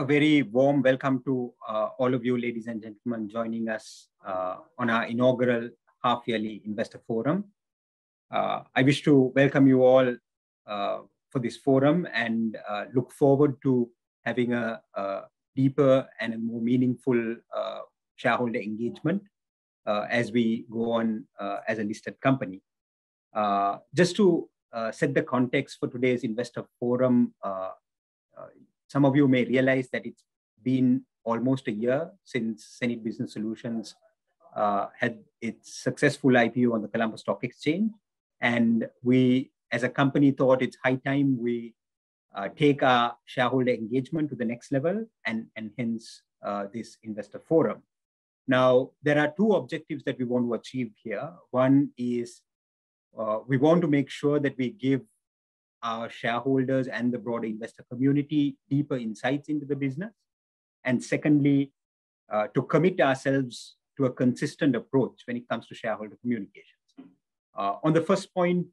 A very warm welcome to all of you, ladies and gentlemen, joining us on our inaugural half-yearly investor forum. I wish to welcome you all for this forum and look forward to having a deeper and a more meaningful shareholder engagement as we go on as a listed company. Just to set the context for today's investor forum, some of you may realize that it has been almost a year since hSenid Business Solutions had its successful IPO on the Colombo Stock Exchange, and we as a company thought it is high time we take our shareholder engagement to the next level, and hence, this investor forum. There are two objectives that we want to achieve here. One is we want to make sure that we give our shareholders and the broader investor community deeper insights into the business. Secondly, to commit ourselves to a consistent approach when it comes to shareholder communications. On the first point,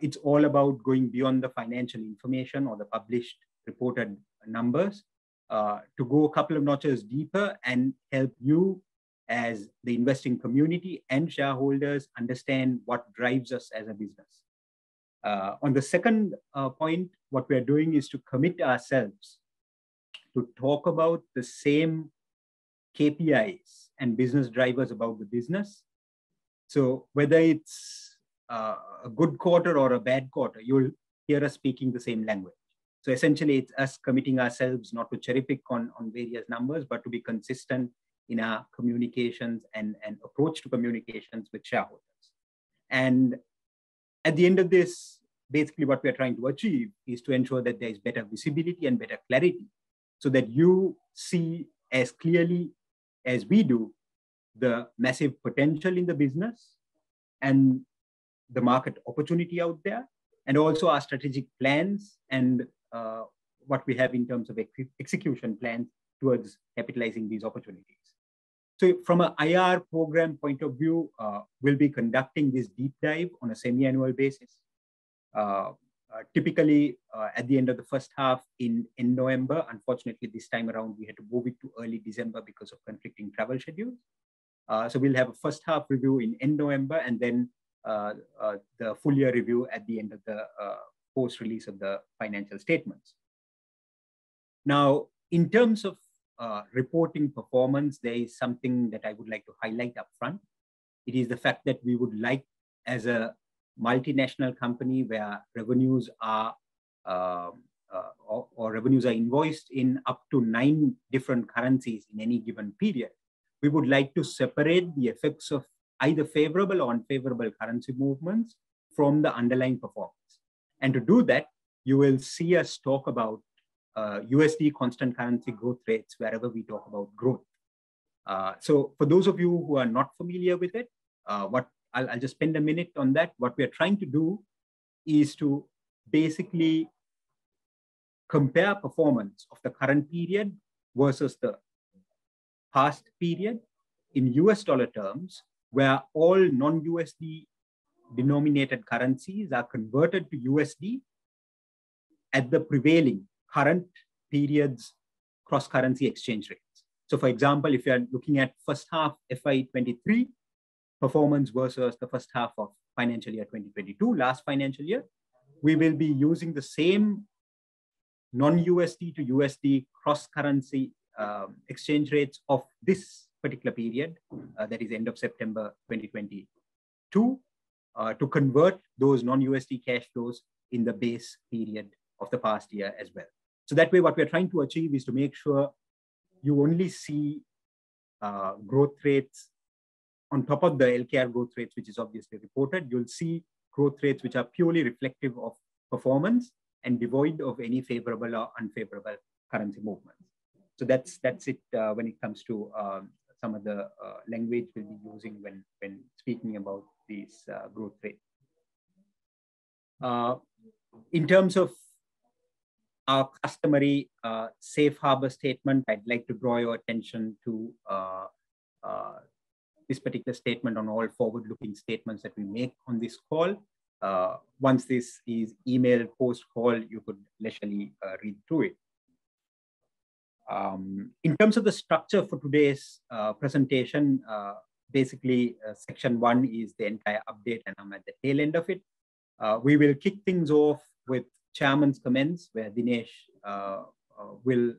it is all about going beyond the financial information or the published reported numbers, to go a couple of notches deeper and help you, as the investing community and shareholders, understand what drives us as a business. On the second point, what we are doing is to commit ourselves to talk about the same KPIs and business drivers about the business. Whether it is a good quarter or a bad quarter, you will hear us speaking the same language. Essentially, it is us committing ourselves not to cherry-pick on various numbers, but to be consistent in our communications and approach to communications with shareholders. At the end of this, basically, what we are trying to achieve is to ensure that there is better visibility and better clarity so that you see as clearly as we do the massive potential in the business and the market opportunity out there, and also our strategic plans and what we have in terms of execution plans towards capitalizing these opportunities. So from an IR program point of view, we will be conducting this deep dive on a semi-annual basis. Typically, at the end of the first half in November. Unfortunately, this time around, we had to move it to early December because of conflicting travel schedules. So we will have a first half review in November, and then the full year review at the end of the post-release of the financial statements. In terms of reporting performance, there is something that I would like to highlight upfront. It is the fact that we would like, as a multinational company where revenues are invoiced in up to nine different currencies in any given period, we would like to separate the effects of either favorable or unfavorable currency movements from the underlying performance. To do that, you will see us talk about USD constant currency growth rates wherever we talk about growth. For those of you who are not familiar with it, I will just spend a minute on that. What we are trying to do is to basically compare performance of the current period versus the past period in U.S. dollar terms, where all non-USD denominated currencies are converted to USD at the prevailing current period's cross-currency exchange rates. For example, if you're looking at first half FY 2023 performance versus the first half of financial year 2022, last financial year, we'll be using the same non-USD to USD cross-currency exchange rates of this particular period, that is end of September 2022, to convert those non-USD cash flows in the base period of the past year as well. That way, what we're trying to achieve is to make sure you only see growth rates on top of the LKR growth rates, which is obviously reported. You'll see growth rates which are purely reflective of performance and devoid of any favorable or unfavorable currency movements. That's it when it comes to some of the language we'll be using when speaking about these growth rates. In terms of our customary safe harbor statement, I'd like to draw your attention to this particular statement on all forward-looking statements that we make on this call. Once this is emailed post-call, you could leisurely read through it. In terms of the structure for today's presentation, basically, section one is the entire update, and I'm at the tail end of it. We will kick things off with Chairman's comments, where Dinesh will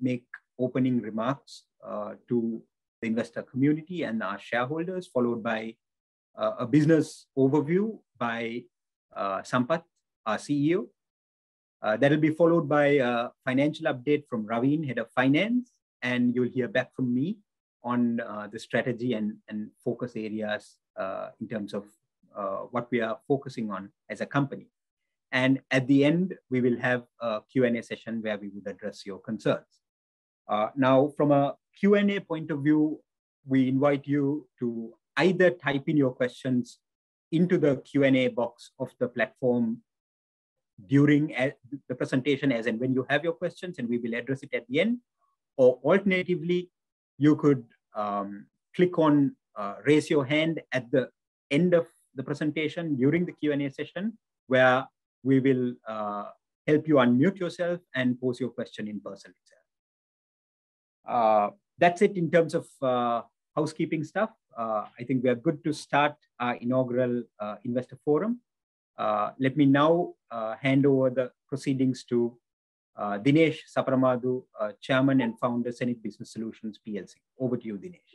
make opening remarks to the investor community and our shareholders, followed by a business overview by Sampath, our CEO. That'll be followed by a financial update from Raveen, Head of Finance, and you'll hear back from me on the strategy and focus areas in terms of what we are focusing on as a company. At the end, we will have a Q&A session where we would address your concerns. From a Q&A point of view, we invite you to either type in your questions into the Q&A box of the platform during the presentation, as and when you have your questions, we will address it at the end. Alternatively, you could click on raise your hand at the end of the presentation during the Q&A session, where we will help you unmute yourself and pose your question in person. That's it in terms of housekeeping stuff. I think we are good to start our inaugural investor forum. Let me now hand over the proceedings to Dinesh Saparamadu, Chairman and Founder, hSenid Business Solutions PLC. Over to you, Dinesh.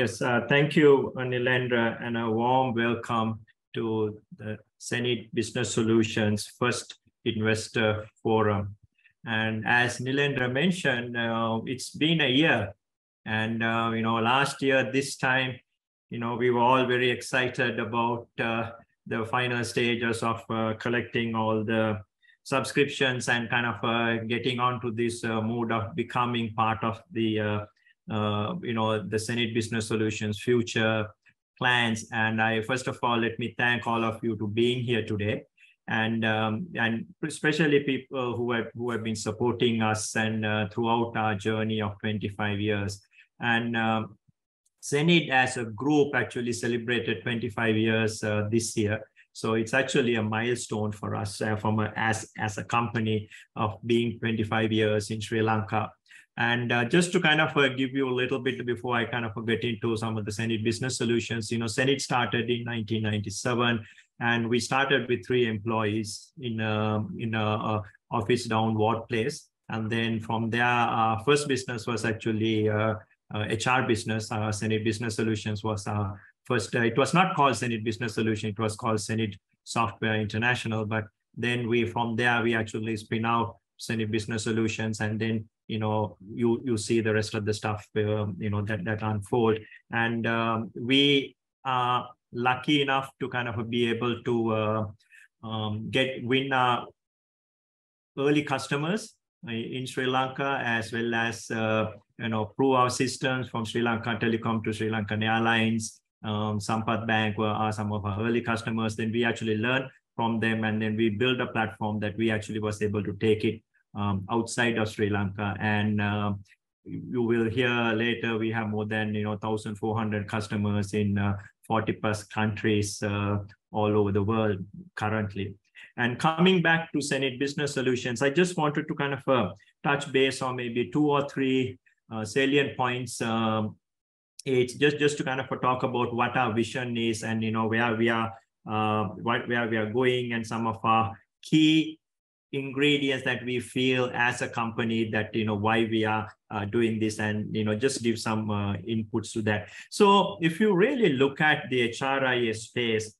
Yes. Thank you, Nilendra, and a warm welcome to the hSenid Business Solutions first investor forum. As Nilendra mentioned, it's been a year. Last year this time, we were all very excited about the final stages of collecting all the subscriptions and kind of getting onto this mood of becoming part of the hSenid Business Solutions' future plans. First of all, let me thank all of you to being here today, and especially people who have been supporting us throughout our journey of 25 years. hSenid, as a group, actually celebrated 25 years this year, so it's actually a milestone for us as a company of being 25 years in Sri Lanka. Just to kind of give you a little bit before I get into some of the hSenid Business Solutions, hSenid started in 1997, and we started with three employees in an office down Ward Place. From there, our first business was actually an HR business. hSenid Business Solutions was our first. It was not called hSenid Business Solutions, it was called hSenid Software International. From there, we actually spin out hSenid Business Solutions, and you see the rest of the stuff that unfold. We are lucky enough to be able to win early customers in Sri Lanka as well as through our systems from Sri Lanka Telecom to SriLankan Airlines. Sampath Bank were some of our early customers. We actually learn from them, and we build a platform that we actually was able to take it outside of Sri Lanka. You will hear later, we have more than 1,400 customers in 40-plus countries all over the world currently. Coming back to hSenid Business Solutions, I just wanted to kind of touch base on maybe two or three salient points. It's just to talk about what our vision is and where we are going, and some of our key ingredients that we feel as a company that why we are doing this, and just give some inputs to that. If you really look at the HRIS space,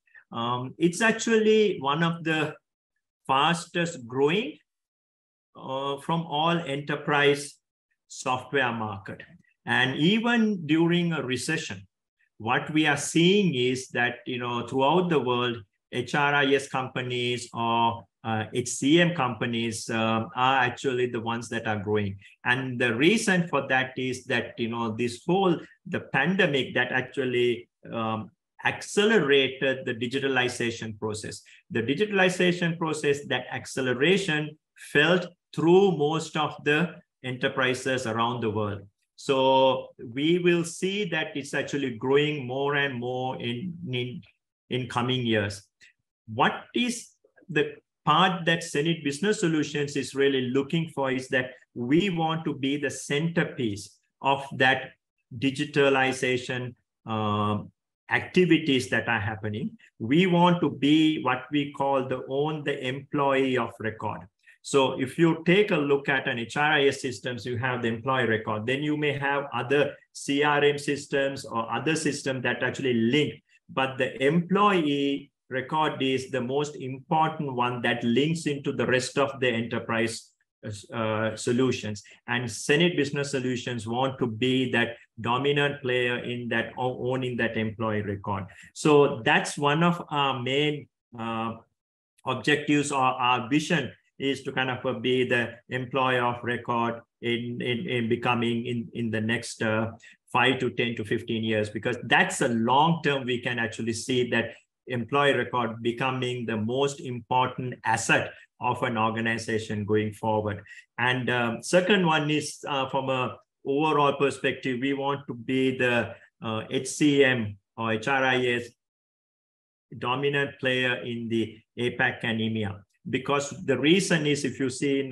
it's actually one of the fastest growing from all enterprise software market. Even during a recession, what we are seeing is that throughout the world, HRIS companies or HCM companies are actually the ones that are growing. The reason for that is that this whole, the pandemic that actually accelerated the digitalization process. The digitalization process, that acceleration felt through most of the enterprises around the world. We will see that it's actually growing more and more in coming years. What is the part that hSenid Business Solutions is really looking for is that we want to be the centerpiece of that digitalization activities that are happening. We want to be what we call the own the employee of record. If you take a look at an HRIS systems, you have the employee record, then you may have other CRM systems or other system that actually link. The employee record is the most important one that links into the rest of the enterprise solutions. hSenid Business Solutions want to be that dominant player in owning that employee record. That's one of our main objectives, or our vision is to kind of be the employee of record in the next 5 to 10 to 15 years, because that's a long term we can actually see that employee record becoming the most important asset of an organization going forward. Second one is, from an overall perspective, we want to be the HCM or HRIS dominant player in the APAC and EMEA. The reason is, if you see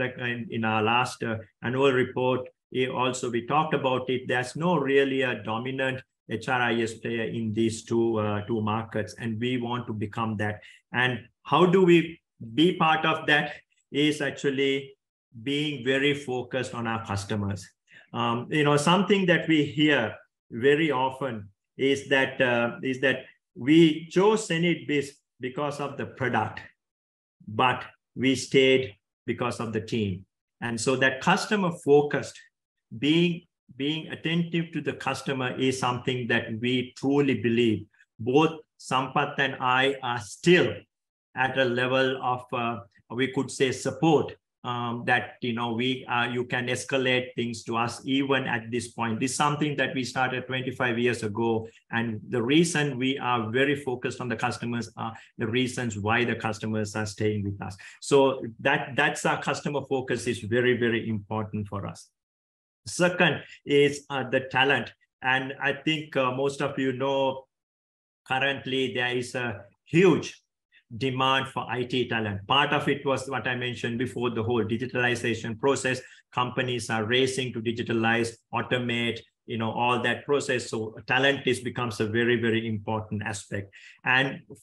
in our last annual report, also we talked about it, there's no really a dominant HRIS player in these two markets, and we want to become that. How do we be part of that is actually being very focused on our customers. Something that we hear very often is that we chose hSenid because of the product, but we stayed because of the team. That customer-focused, being attentive to the customer is something that we truly believe. Both Sampath and I are still at a level of, we could say support, that you can escalate things to us even at this point. This is something that we started 25 years ago, and the reason we are very focused on the customers are the reasons why the customers are staying with us. That customer focus is very, very important for us. Second is the talent. I think most of you know currently, there is a huge demand for IT talent. Part of it was what I mentioned before, the whole digitalization process. Companies are racing to digitalize, automate, all that process. Talent becomes a very important aspect.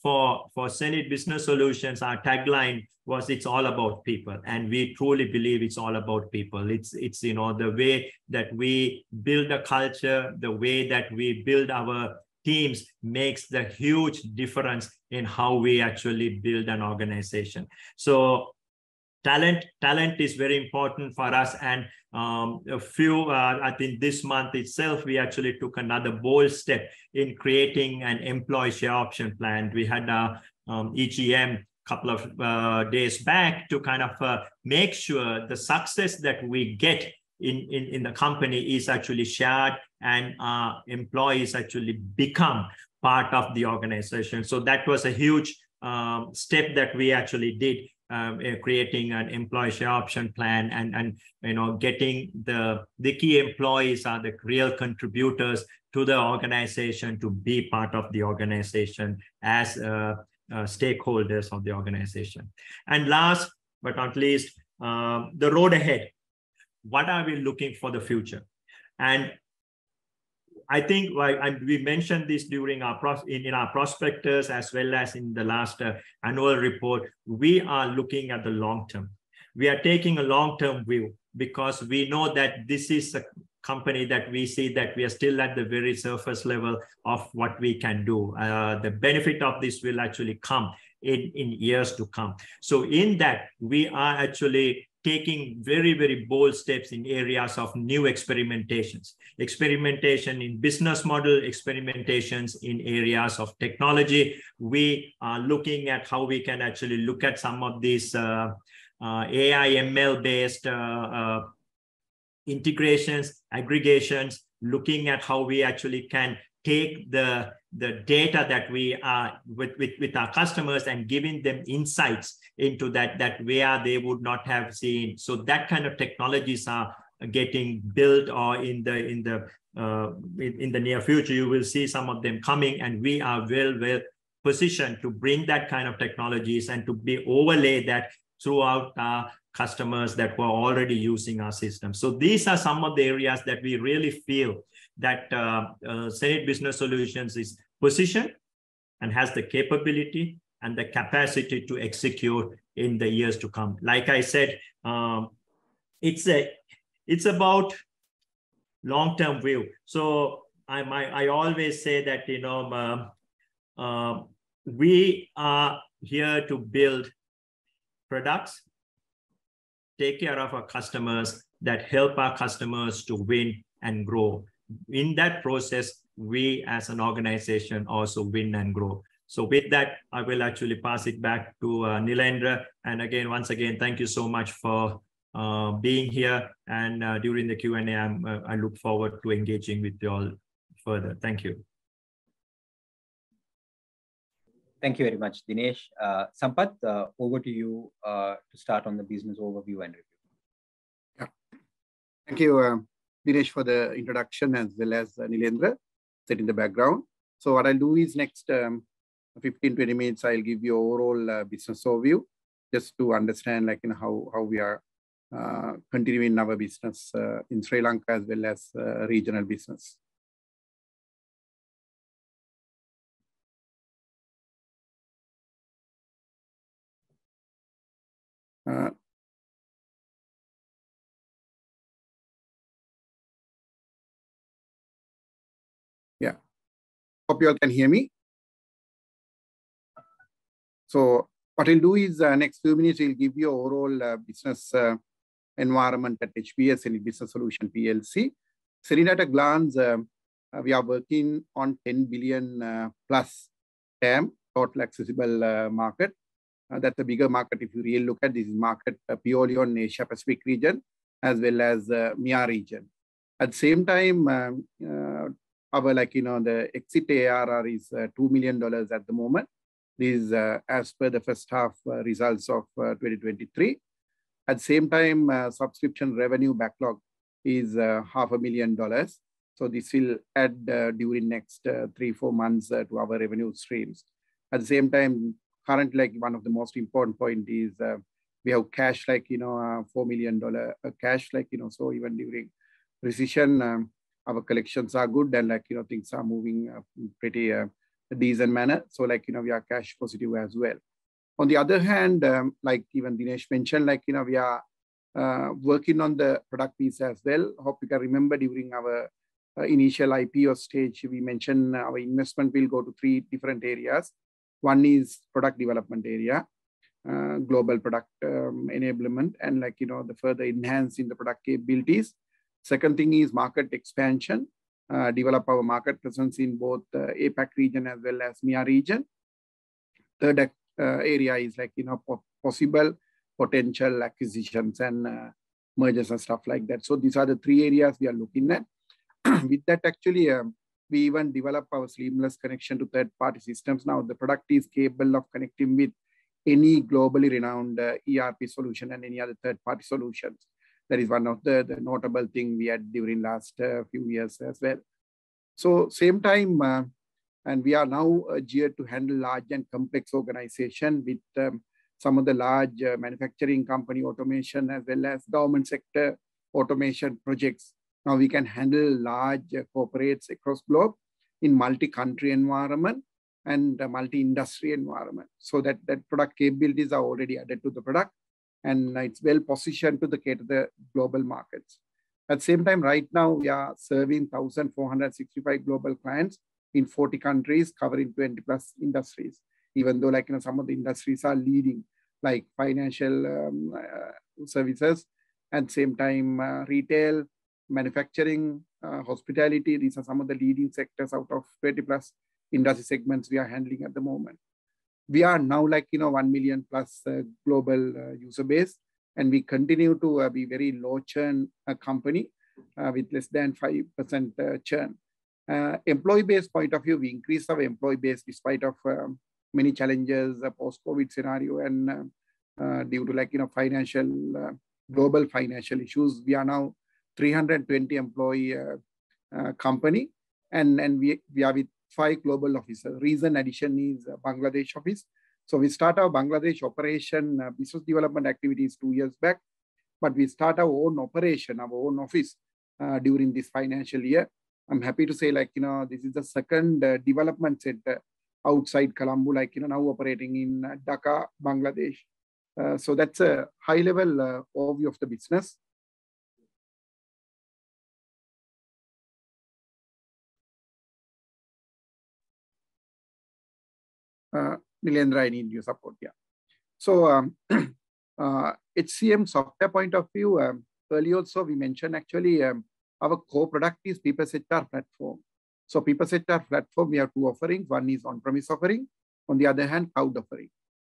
For hSenid Business Solutions, our tagline was, "It's all about people." We truly believe it's all about people. It's the way that we build a culture, the way that we build our teams, makes the huge difference in how we actually build an organization. Talent is very important for us and I think this month itself, we actually took another bold step in creating an employee share option plan. We had our EGM a couple of days back to kind of make sure the success that we get in the company is actually shared, and employees actually become part of the organization. That was a huge step that we actually did, creating an employee share option plan and getting the key employees or the real contributors to the organization to be part of the organization as stakeholders of the organization. Last but not least, the road ahead. What are we looking for the future? I think we mentioned this in our prospectus as well as in the last annual report, we are looking at the long-term. We are taking a long-term view because we know that this is a company that we see that we are still at the very surface level of what we can do. The benefit of this will actually come in years to come. In that, we are actually taking very bold steps in areas of new experimentations. Experimentation in business model, experimentations in areas of technology. We are looking at how we can actually look at some of these AI, ML-based integrations, aggregations, looking at how we actually can take the data with our customers and giving them insights into that, where they would not have seen. That kind of technologies are getting built, or in the near future, you will see some of them coming, and we are well positioned to bring that kind of technologies and to overlay that throughout our customers that were already using our system. These are some of the areas that we really feel that hSenid Business Solutions is positioned and has the capability and the capacity to execute in the years to come. Like I said, it's about long-term view. I always say that we are here to build products, take care of our customers, that help our customers to win and grow. In that process, we as an organization also win and grow. With that, I will actually pass it back to Nilendra. Once again, thank you so much for being here and during the Q&A, I look forward to engaging with you all further. Thank you. Thank you very much, Dinesh. Sampath, over to you to start on the business overview and review. Thank you, Dinesh, for the introduction, as well as Nilendra setting the background. What I'll do is next 15, 20 minutes, I'll give you overall business overview just to understand how we are continuing our business in Sri Lanka as well as regional business. Hope you all can hear me. What I'll do is next few minutes, I'll give you overall business environment at HBS, hSenid Business Solutions PLC. hSenid at a glance, we are working on 10 billion plus TAM, total accessible market. That's a bigger market if you really look at this market purely on Asia-Pacific region as well as MEA region. At the same time, our exit ARR is $2 million at the moment. This is as per the first half results of 2023. At the same time, subscription revenue backlog is half a million dollars. This will add during next three, four months to our revenue streams. At the same time, currently, one of the most important point is we have cash, like $4 million cash. Even during recession, our collections are good, and things are moving in pretty decent manner. We are cash positive as well. On the other hand, like even Dinesh mentioned, we are working on the product piece as well. Hope you can remember during our initial IPO stage, we mentioned our investment will go to three different areas. One is product development area, global product enablement, and the further enhancing the product capabilities. Second thing is market expansion, develop our market presence in both the APAC region as well as MEA region. Third area is possible potential acquisitions and mergers and stuff like that. These are the three areas we are looking at. With that, actually, we even develop our seamless connection to third-party systems. Now the product is capable of connecting with any globally renowned ERP solution and any other third-party solutions. That is one of the notable thing we had during last few years as well. Same time, we are now geared to handle large and complex organization with some of the large manufacturing company automation as well as government sector automation projects. Now we can handle large corporates across globe in multi-country environment and a multi-industry environment. That product capabilities are already added to the product, and it's well-positioned to cater the global markets. At the same time, right now we are serving 1,465 global clients in 40 countries, covering 20-plus industries. Even though some of the industries are leading, like financial services, at the same time, retail, manufacturing, hospitality, these are some of the leading sectors out of 20-plus industry segments we are handling at the moment. We are now 1 million-plus global user base, and we continue to be very low churn company with less than 5% churn. Employee base point of view, we increase our employee base despite of many challenges post-COVID scenario and due to global financial issues. We are now 320 employee company, and we are with five global offices. Recent addition is Bangladesh office. We start our Bangladesh operation business development activities two years back, but we start our own operation, our own office, during this financial year. I'm happy to say, this is the second development center outside Colombo, now operating in Dhaka, Bangladesh. That's a high-level overview of the business. Nilendra, I need your support here. HCM software point of view, earlier also we mentioned actually our core product is PeoplesHR platform. PeoplesHR platform, we have two offerings. One is on-premise offering, on the other hand, cloud offering.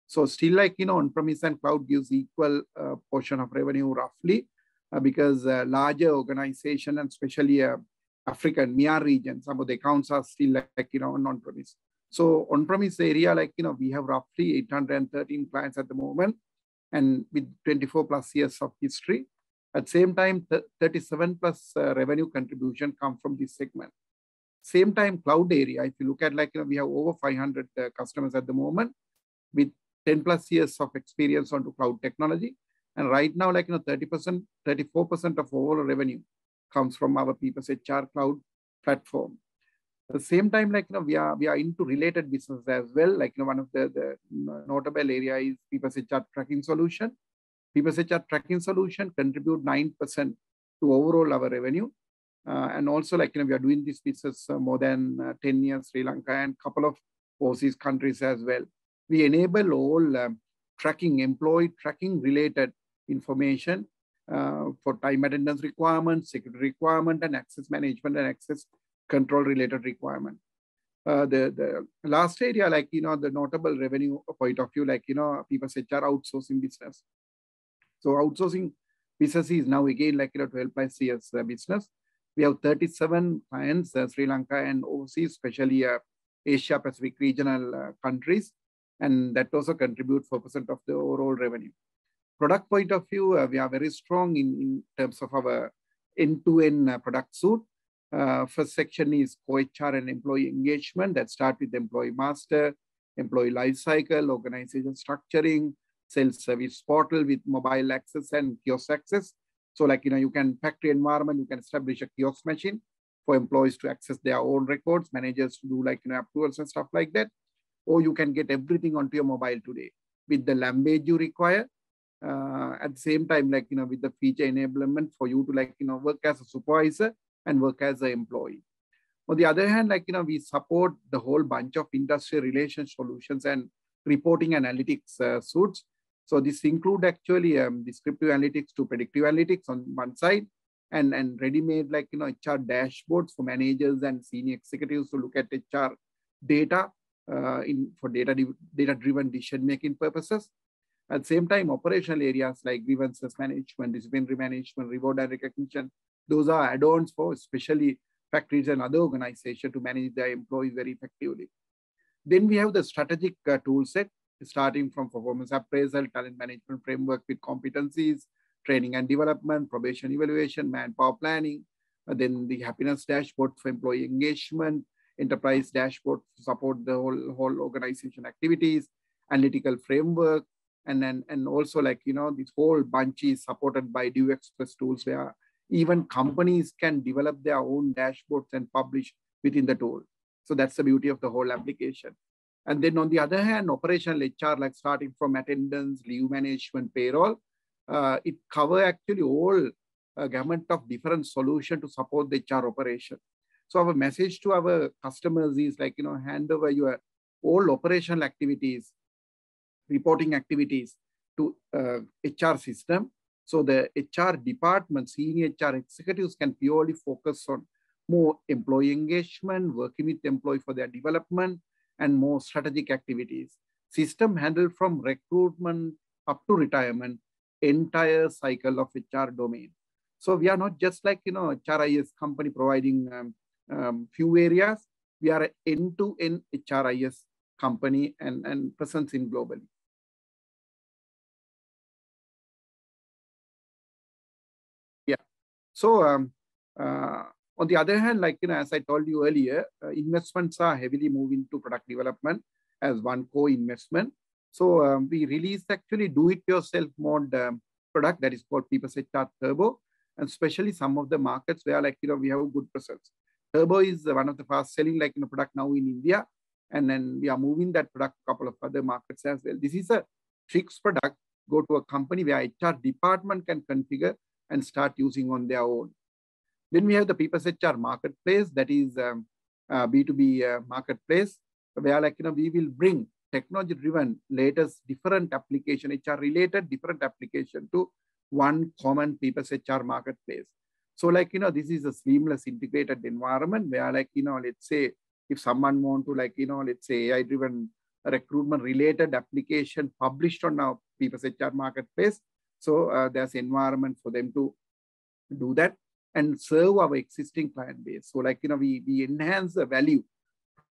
Still on-premise and cloud gives equal portion of revenue roughly, because larger organization and especially African MEA region, some of the accounts are still on on-premise. On-premise area, we have roughly 813 clients at the moment, and with 24-plus years of history. At the same time, 37-plus revenue contribution come from this segment. Same time, cloud area, if you look at, we have over 500 customers at the moment, with 10-plus years of experience onto cloud technology. And right now, 34% of overall revenue comes from our PeoplesHR Cloud platform. At the same time, we are into related business as well. One of the notable area is PeoplesHR Tracking solution. PeoplesHR Tracking solution contribute 9% to overall our revenue. Also, we are doing this business more than 10 years, Sri Lanka, and couple of overseas countries as well. We enable all tracking employee, tracking related information, for time attendance requirement, security requirement, and access management and access control related requirement. The last area, the notable revenue point of view, PeoplesHR Outsourcing business. Outsourcing business is now again 12-plus years business. We have 37 clients, Sri Lanka and overseas, especially Asia-Pacific regional countries, and that also contribute 4% of the overall revenue. Product point of view, we are very strong in terms of our end-to-end product suite. First section is core HR and employee engagement. That start with employee master, employee lifecycle, organization structuring, self-service portal with mobile access and kiosk access. You can factory environment, you can establish a kiosk machine for employees to access their own records, managers to do approvals and stuff like that. Or you can get everything onto your mobile today with the language you require. At the same time, with the feature enablement for you to work as a supervisor and work as an employee. On the other hand, we support the whole bunch of industry relations solutions and reporting analytics suites. This include actually descriptive analytics to predictive analytics on one side, and ready-made HR dashboards for managers and senior executives to look at HR data, for data-driven decision-making purposes. At the same time, operational areas like grievances management, disciplinary management, reward and recognition, those are add-ons for especially factories and other organization to manage their employee very effectively. We have the strategic toolset starting from performance appraisal, talent management framework with competencies, training and development, probation evaluation, manpower planning. The happiness dashboard for employee engagement, enterprise dashboard to support the whole organization activities, analytical framework, and also this whole bunch is supported by do express tools where even companies can develop their own dashboards and publish within the tool. That's the beauty of the whole application. On the other hand, operational HR, like starting from attendance, leave management, payroll, it cover actually whole gamut of different solution to support the HR operation. Our message to our customers is hand over your whole operational activities, reporting activities to HR system, so the HR department, senior HR executives can purely focus on more employee engagement, working with employee for their development, and more strategic activities. System handled from recruitment up to retirement, entire cycle of HR domain. We are not just like HRIS company providing few areas. We are end-to-end HRIS company and present globally. Yeah. On the other hand, as I told you earlier, investments are heavily moving to product development as one core investment. We released actually do it yourself mode product that is called PeoplesHR Turbo, and especially some of the markets where we have a good presence. Turbo is one of the fast-selling product now in India, and then we are moving that product couple of other markets as well. This is a fixed product, go to a company where HR department can configure and start using on their own. Then we have the PeoplesHR Marketplace. That is B2B marketplace, where we will bring technology-driven, latest different application, HR-related different application to one common PeoplesHR Marketplace. This is a seamless integrated environment where, let's say, if someone want to let's say, AI-driven recruitment related application published on our PeoplesHR Marketplace, there's environment for them to do that and serve our existing client base. We enhance the value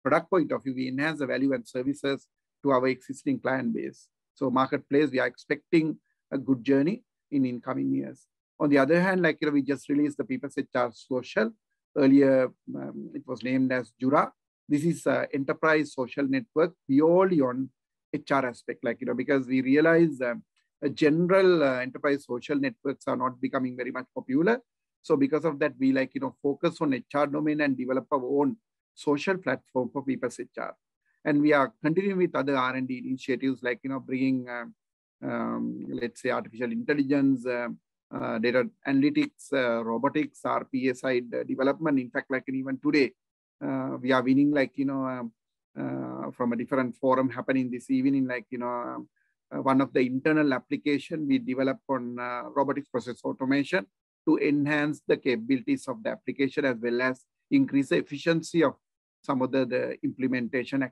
product point of view, we enhance the value add services to our existing client base. Marketplace, we are expecting a good journey in coming years. On the other hand, we just released the PeoplesHR Social. Earlier, it was named as Juraa. This is enterprise social network purely on HR aspect. Because we realize general enterprise social networks are not becoming very much popular. Because of that, we focus on HR domain and develop our own social platform for PeoplesHR. We are continuing with other R&D initiatives like bringing, let's say artificial intelligence, data analytics, robotics, RPA development. In fact, even today, we are winning from a different forum happening this evening, one of the internal application we developed on robotics process automation to enhance the capabilities of the application as well as increase the efficiency of some of the implementation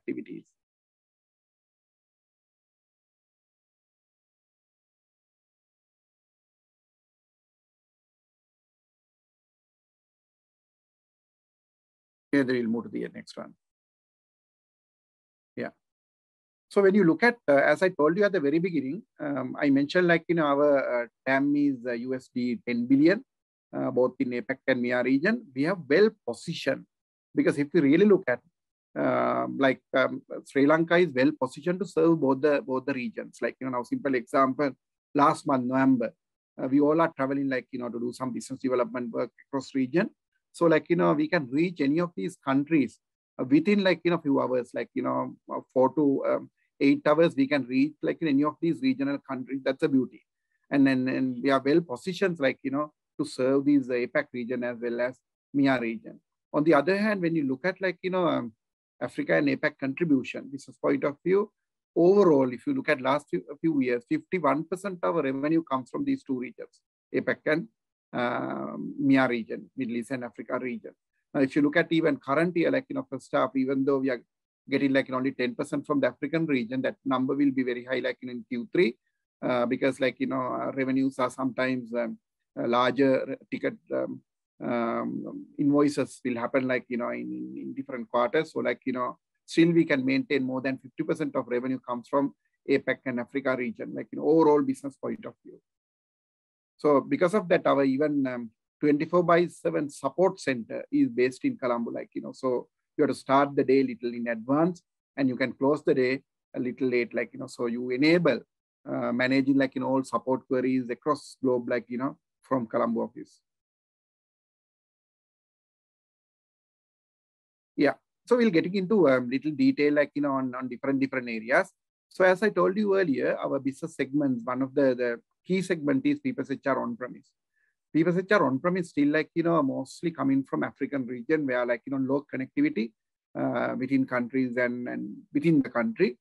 activities. We will move to the next one. When you look at, as I told you at the very beginning, I mentioned our TAM is $10 billion, both in APAC and MEA region. We are well-positioned because if you really look at, like Sri Lanka is well positioned to serve both the regions. Simple example, last month, November, we all are traveling to do some business development work across region. We can reach any of these countries within a few hours. Four to eight hours, we can reach any of these regional countries. That's the beauty. We are well positioned to serve these APAC region as well as MEA region. On the other hand, when you look at Africa and APAC contribution business point of view, overall, if you look at last few years, 51% of our revenue comes from these two regions, APAC and MEA region, Middle East and Africa region. If you look at even currently, for staff, even though we are getting only 10% from the African region, that number will be very high in Q3. Our revenues are sometimes larger ticket invoices will happen in different quarters. Still we can maintain more than 50% of revenue comes from APAC and Africa region, overall business point of view. Because of that, our even 24/7 support center is based in Colombo. You have to start the day little in advance, you can close the day a little late. You enable managing all support queries across globe from Colombo office. We will getting into little detail on different areas. As I told you earlier, our business segments, one of the key segment is PeoplesHR On-Premise. PeoplesHR On-Premise still mostly coming from African region where low connectivity between countries and within the country.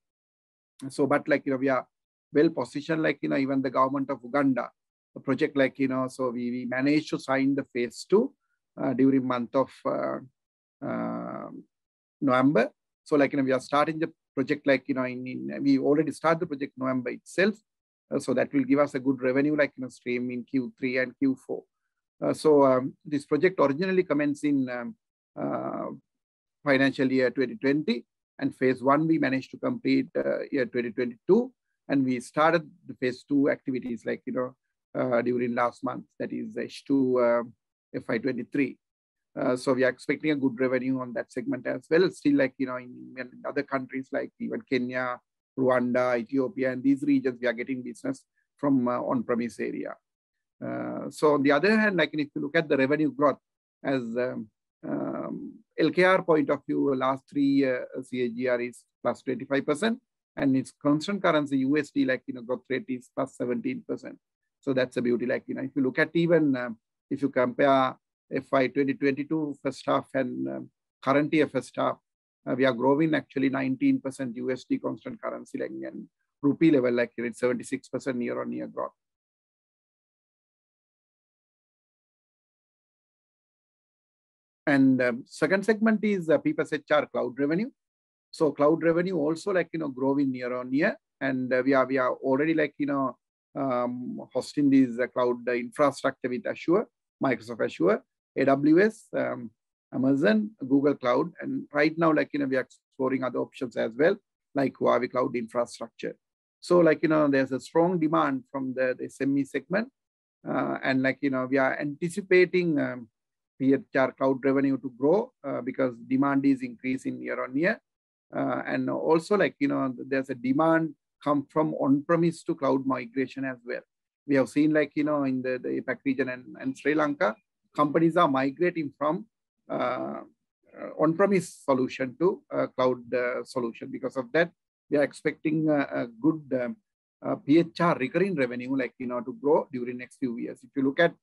But we are well-positioned, even the government of Uganda project, we managed to sign the phase two during month of November. We are starting the project, we already start the project November itself. That will give us a good revenue stream in Q3 and Q4. This project originally commenced in financial year 2020, phase one we managed to complete year 2022, we started the phase two activities during last month, that is H2 FY 2023. We are expecting a good revenue on that segment as well. Still in other countries like even Kenya, Rwanda, Ethiopia, in these regions, we are getting business from on-premise area. On the other hand, if you look at the revenue growth as LKR point of view, last three-year CAGR is +25%, and its constant currency USD growth rate is +17%. That's the beauty. If you look at even if you compare FY 2022 first half and current year first half, we are growing actually 19% USD constant currency, and rupee level, it's 76% year-on-year growth. Second segment is PeoplesHR Cloud revenue. Cloud revenue also growing year-on-year. We are already hosting this cloud infrastructure with Azure, Microsoft Azure, AWS, Amazon, Google Cloud, and right now we are exploring other options as well, like Huawei cloud infrastructure. There's a strong demand from the SME segment, and we are anticipating PHR cloud revenue to grow because demand is increasing year-on-year. Also, there's a demand come from on-premise to cloud migration as well. We have seen in the APAC region and Sri Lanka, companies are migrating from on-premise solution to cloud solution. We are expecting a good PHR recurring revenue to grow during next few years. If you look at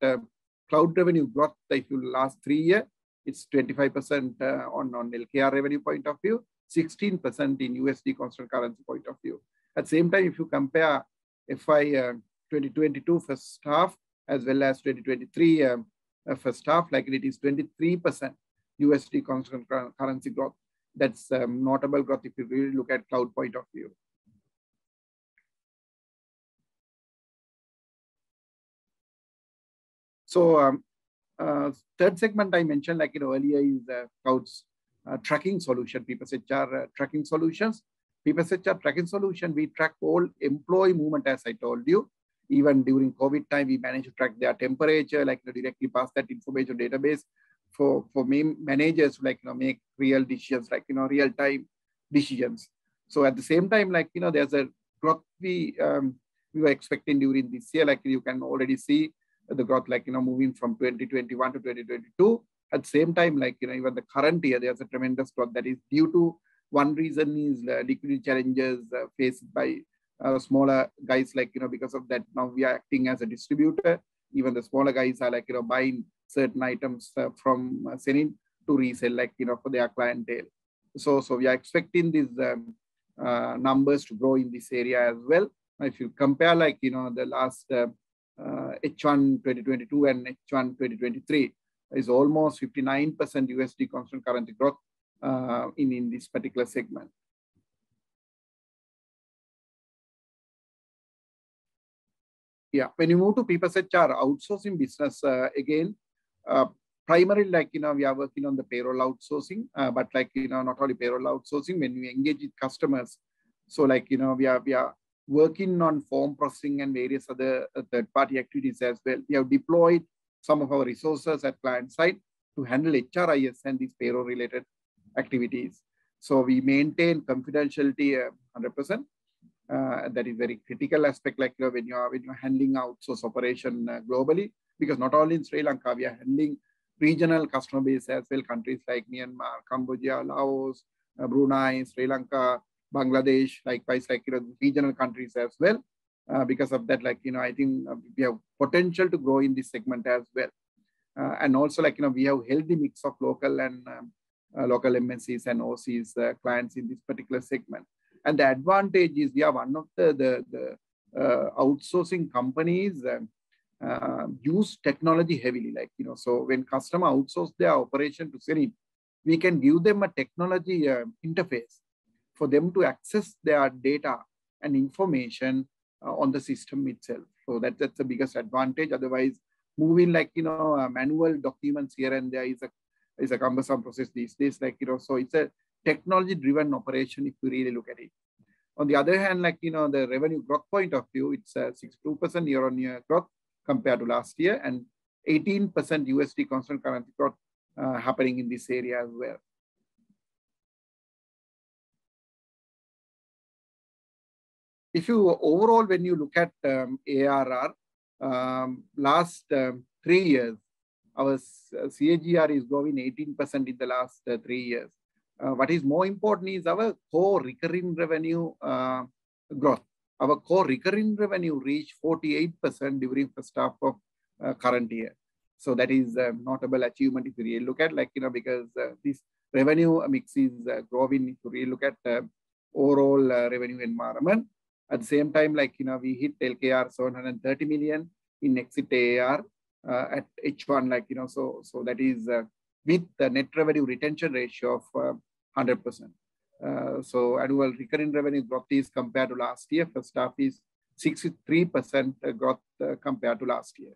cloud revenue growth, if you last three year, it's 25% on LKR revenue point of view, 16% in USD constant currency point of view. At the same time, if you compare FY 2022 first half as well as 2023 first half, it is 23% USD constant currency growth. That's notable growth if you really look at cloud point of view. Third segment I mentioned earlier is cloud's tracking solution, PeoplesHR Tracking solutions. PeoplesHR Tracking solution, we track all employee movement, as I told you. Even during COVID time, we managed to track their temperature, directly pass that information database for managers to make real decisions, real-time decisions. At the same time, there's a growth we were expecting during this year. You can already see the growth moving from 2021 to 2022. At the same time, even the current year, there's a tremendous growth that is due to one reason, is liquidity challenges faced by smaller guys. Now we are acting as a distributor. Even the smaller guys are buying certain items from hSenid to resell for their clientele. We are expecting these numbers to grow in this area as well. If you compare the last H1 2022 and H1 2023, is almost 59% USD constant currency growth in this particular segment. When you move to PeoplesHR Outsourcing business, again, primarily we are working on the payroll outsourcing. Not only payroll outsourcing, when we engage with customers, we are working on form processing and various other third-party activities as well. We have deployed some of our resources at client site to handle HRIS and these payroll-related activities. We maintain confidentiality 100%. That is very critical aspect when you're handling outsource operation globally. Not only in Sri Lanka, we are handling regional customer base as well, countries like Myanmar, Cambodia, Laos, Brunei, Sri Lanka, Bangladesh, likewise regional countries as well. I think we have potential to grow in this segment as well. We have healthy mix of local MNCs and OCs clients in this particular segment. The advantage is we are one of the outsourcing companies that use technology heavily. When customer outsource their operation to hSenid, we can give them a technology interface for them to access their data and information on the system itself. That's the biggest advantage. Otherwise, moving manual documents here and there is a cumbersome process these days. It's a technology-driven operation if you really look at it. The revenue growth point of view, it's a 62% year-on-year growth compared to last year, and 18% USD constant currency growth happening in this area as well. Overall, when you look at ARR, last three years, our CAGR is growing 18% in the last three years. What is more important is our core recurring revenue growth. Our core recurring revenue reached 48% during first half of current year. That is a notable achievement if you really look at, because this revenue mix is growing if you really look at the overall revenue environment. At the same time, we hit LKR 730 million in exit ARR at H1, so that is with the net revenue retention ratio of 100%. Annual recurring revenue growth is compared to last year, first half is 63% growth compared to last year.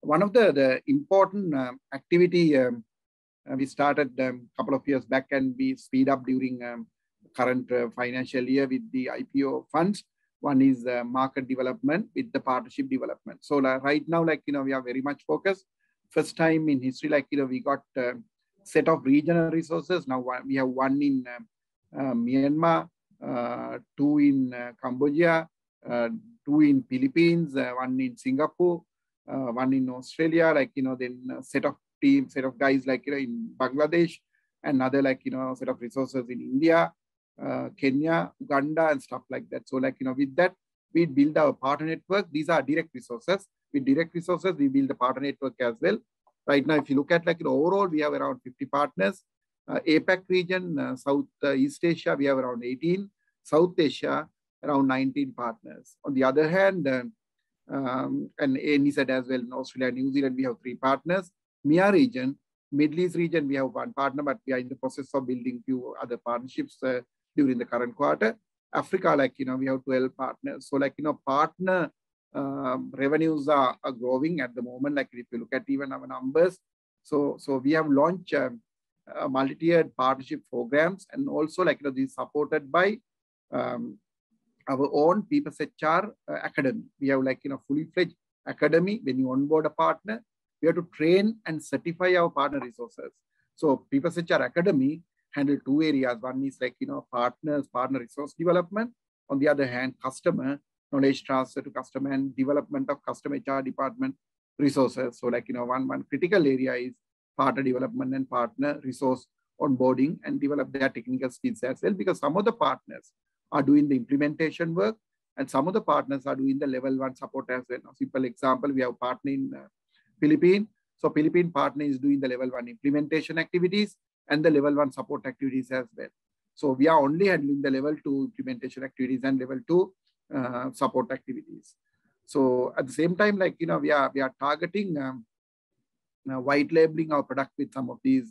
One of the important activities we started a couple of years back, and we speed up during current financial year with the IPO funds. One is market development with the partnership development. Right now, we are very much focused. First time in history, we got a set of regional resources. We have one in Myanmar, two in Cambodia, two in Philippines, one in Singapore, one in Australia. A set of team, set of guys in Bangladesh. Another set of resources in India, Kenya, Uganda, and stuff like that. With that, we build our partner network. These are direct resources. With direct resources, we build a partner network as well. Right now, if you look at overall, we have around 50 partners APAC region, Southeast Asia, we have around 18. South Asia, around 19 partners. Amy said as well, in Australia and New Zealand, we have three partners. MEA region, Middle East region, we have one partner, but we are in the process of building two other partnerships during the current quarter. Africa, we have 12 partners. Partner revenues are growing at the moment, if you look at even our numbers. We have launched multi-tiered partnership programs and also this is supported by our own PeoplesHR Academy. We have a fully-fledged academy. When you onboard a partner, we have to train and certify our partner resources. PeoplesHR Academy handles two areas. One is partners, partner resource development. On the other hand, customer knowledge transfer to customer and development of customer HR department resources. One critical area is partner development and partner resource onboarding and develop their technical skills as well, because some of the partners are doing the implementation work and some of the partners are doing the level 1 support as well. Simple example, we have a partner in Philippine. Philippine partner is doing the level 1 implementation activities and the level 1 support activities as well. We are only handling the level 2 implementation activities and level 2 support activities. At the same time, we are targeting white labeling our product with some of these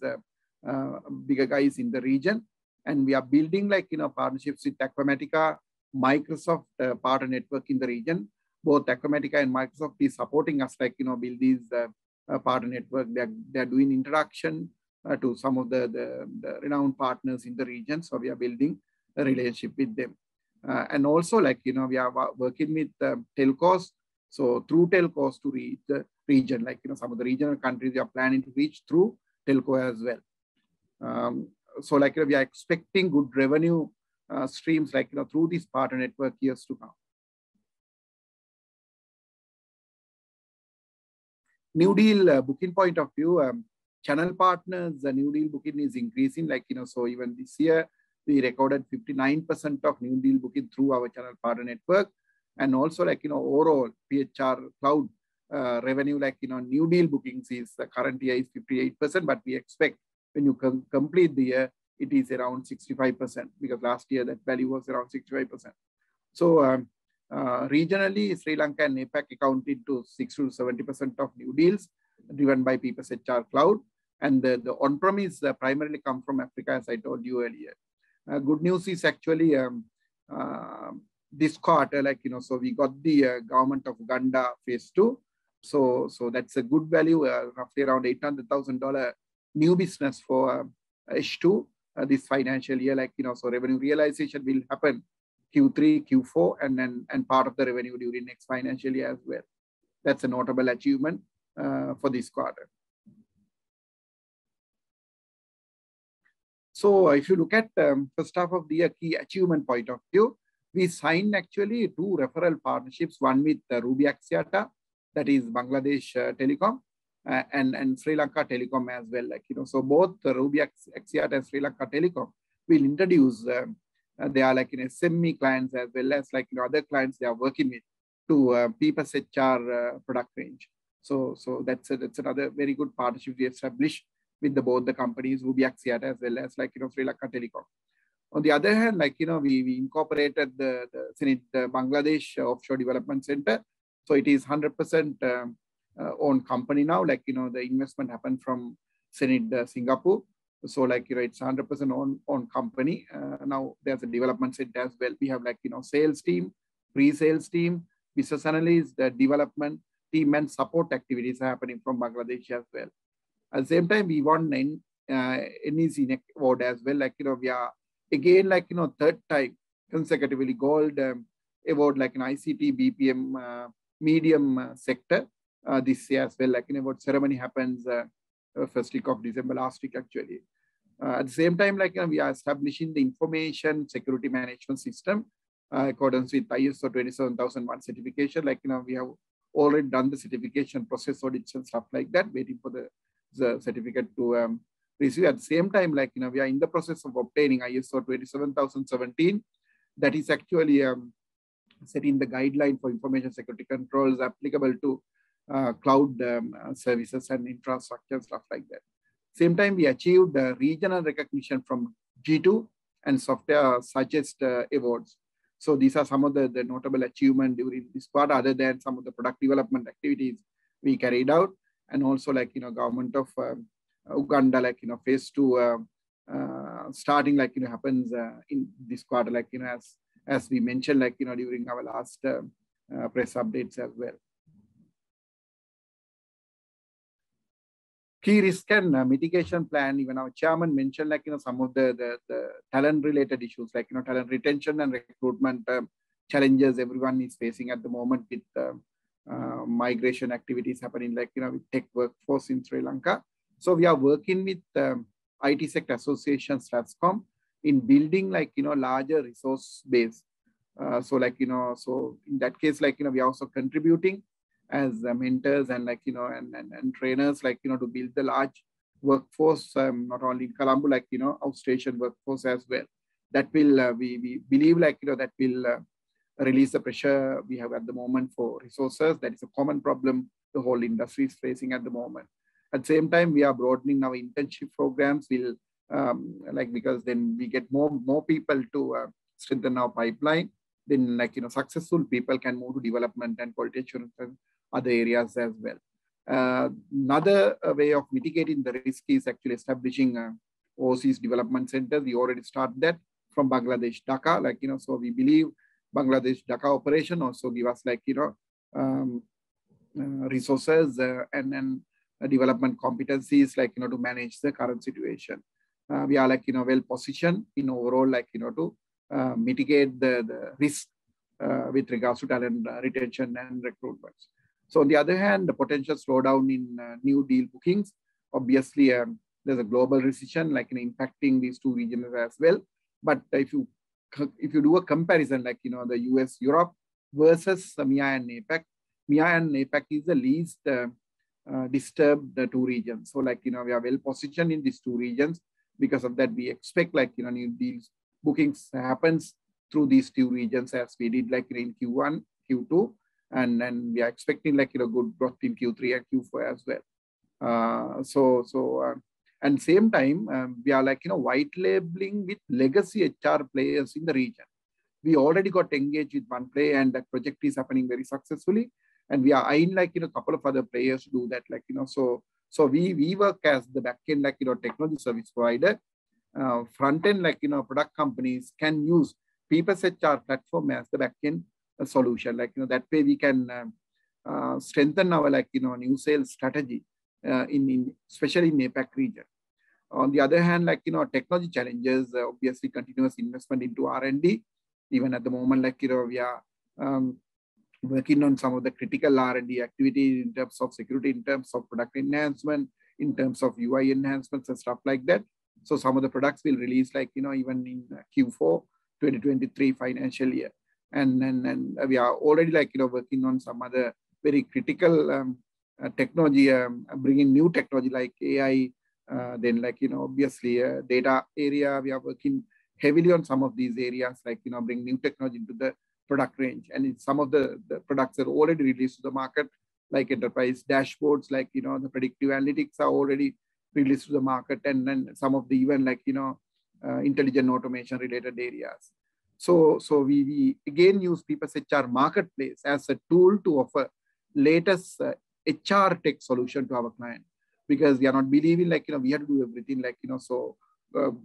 bigger guys in the region, and we are building partnerships with Acumatica, Microsoft Partner Network in the region. Both Acumatica and Microsoft are supporting us build this partner network. They're doing introduction to some of the renowned partners in the region. We are building a relationship with them. We are working with telcos. Through telcos to reach the region. Some of the regional countries we are planning to reach through telco as well. We are expecting good revenue streams through this partner network years to come. New deal booking point of view, channel partners, the new deal booking is increasing. Even this year, we recorded 59% of new deal booking through our channel partner network. Overall, PeoplesHR Cloud revenue, new deal bookings currently is 58%, but we expect when you complete the year, it is around 65%, because last year that value was around 65%. Regionally, Sri Lanka and APAC accounted to 60%-70% of new deals driven by PeoplesHR Cloud. The on-premise primarily come from Africa, as I told you earlier. Good news is this quarter, we got the government of Uganda phase II. That's a good value, roughly around $800,000 new business for H2 this financial year. Revenue realization will happen Q3, Q4, and part of the revenue during next financial year as well. That's a notable achievement for this quarter. If you look at first half of the year key achievement point of view, we signed two referral partnerships. One with the Robi Axiata, that is Bangladesh Telecom, and Sri Lanka Telecom as well. Both Robi Axiata and Sri Lanka Telecom will introduce their SME clients as well as other clients they are working with to PeoplesHR product range. That's another very good partnership we established with both the companies, Robi Axiata as well as Sri Lanka Telecom. On the other hand, we incorporated the hSenid Bangladesh Offshore Development Center. It is 100% owned company now. The investment happened from hSenid Software Singapore (Pte) Ltd. It's 100% owned company. Now there's a development center as well. We have sales team, pre-sales team, business analyst, development team, and support activities happening from Bangladesh as well. At the same time, we won an NBQSA award as well. We are again third time consecutively Gold Award in IT-BPM medium sector this year as well. Award ceremony happens first week of December, last week. At the same time, we are establishing the information security management system in accordance with ISO/IEC 27001 certification. We have already done the certification process audits and stuff like that, waiting for the certificate to receive. At the same time, we are in the process of obtaining ISO/IEC 27017. That is setting the guideline for information security controls applicable to cloud services and infrastructure and stuff like that. At the same time, we achieved the regional recognition from G2 and SoftwareSuggest awards. These are some of the notable achievements during this part other than some of the product development activities we carried out. Government of Uganda phase II starting happens in this quarter, as we mentioned during our last press updates as well. Key risk and mitigation plan, even our chairman mentioned some of the talent-related issues, like talent retention and recruitment challenges everyone is facing at the moment with migration activities happening with tech workforce in Sri Lanka. We are working with IT sector association SLASSCOM in building larger resource base. In that case, we are also contributing as mentors and trainers to build the large workforce, not only in Colombo, outstation workforce as well. We believe that will release the pressure we have at the moment for resources. That is a common problem the whole industry is facing at the moment. At the same time, we are broadening our internship programs because then we get more people to strengthen our pipeline. Successful people can move to development and quality assurance and other areas as well. Another way of mitigating the risk is actually establishing overseas development centers. We already started that from Bangladesh, Dhaka. We believe Bangladesh, Dhaka operation also give us resources and then development competencies to manage the current situation. We are well-positioned in overall to mitigate the risk with regards to talent retention and recruitments. On the other hand, the potential slowdown in new deal bookings, obviously, there's a global recession impacting these two regions as well. If you do a comparison, like the U.S., Europe versus MEA and APAC, MEA and APAC is the least disturbed two regions. We are well-positioned in these two regions. Because of that, we expect new deals, bookings happens through these two regions as we did in Q1, Q2, and then we are expecting a good growth in Q3 and Q4 as well. Same time, we are white labeling with legacy HR players in the region. We already got engaged with one player, and that project is happening very successfully, and we are eyeing a couple of other players to do that. We work as the backend technology service provider. Frontend product companies can use PeoplesHR platform as the backend solution. That way we can strengthen our new sales strategy, especially in APAC region. On the other hand, technology challenges, obviously continuous investment into R&D. Even at the moment, we are working on some of the critical R&D activity in terms of security, in terms of product enhancement, in terms of UI enhancements and stuff like that. Some of the products will release even in Q4 2023 financial year. We are already working on some other very critical technology, bringing new technology like AI. Obviously, data area, we are working heavily on some of these areas, like bringing new technology into the product range. Some of the products are already released to the market, like enterprise dashboards, the predictive analytics are already released to the market, and then some of the even intelligent automation-related areas. We again use PeoplesHR Marketplace as a tool to offer latest HR tech solution to our client because we are not believing we have to do everything.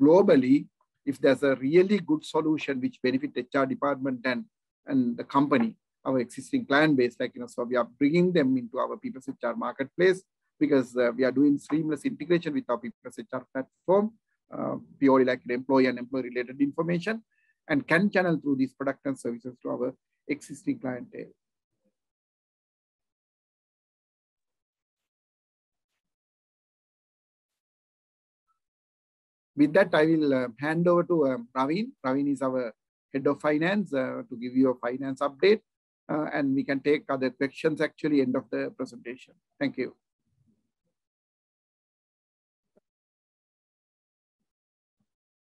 Globally, if there's a really good solution which benefit HR department and the company, our existing client base, we are bringing them into our PeoplesHR Marketplace because we are doing seamless integration with our PeoplesHR platform. We already like employee and employer related information and can channel through these products and services to our existing clientele. With that, I will hand over to Raveen. Raveen is our head of finance, to give you a finance update. We can take other questions actually end of the presentation. Thank you.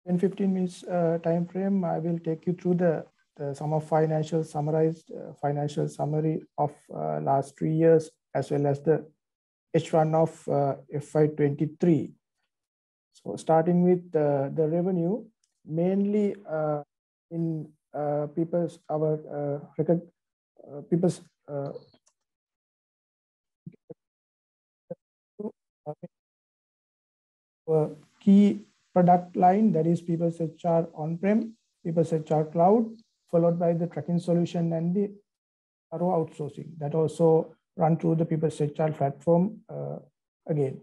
In 15-minute timeframe, I will take you through the summarized financial summary of last three years, as well as the H1 of FY 2023. Starting with the revenue, mainly in our record, PeoplesHR key product line, that is PeoplesHR On-Premise, PeoplesHR Cloud, followed by the PeoplesHR Tracking solution and the HR outsourcing. That also run through the PeoplesHR platform again.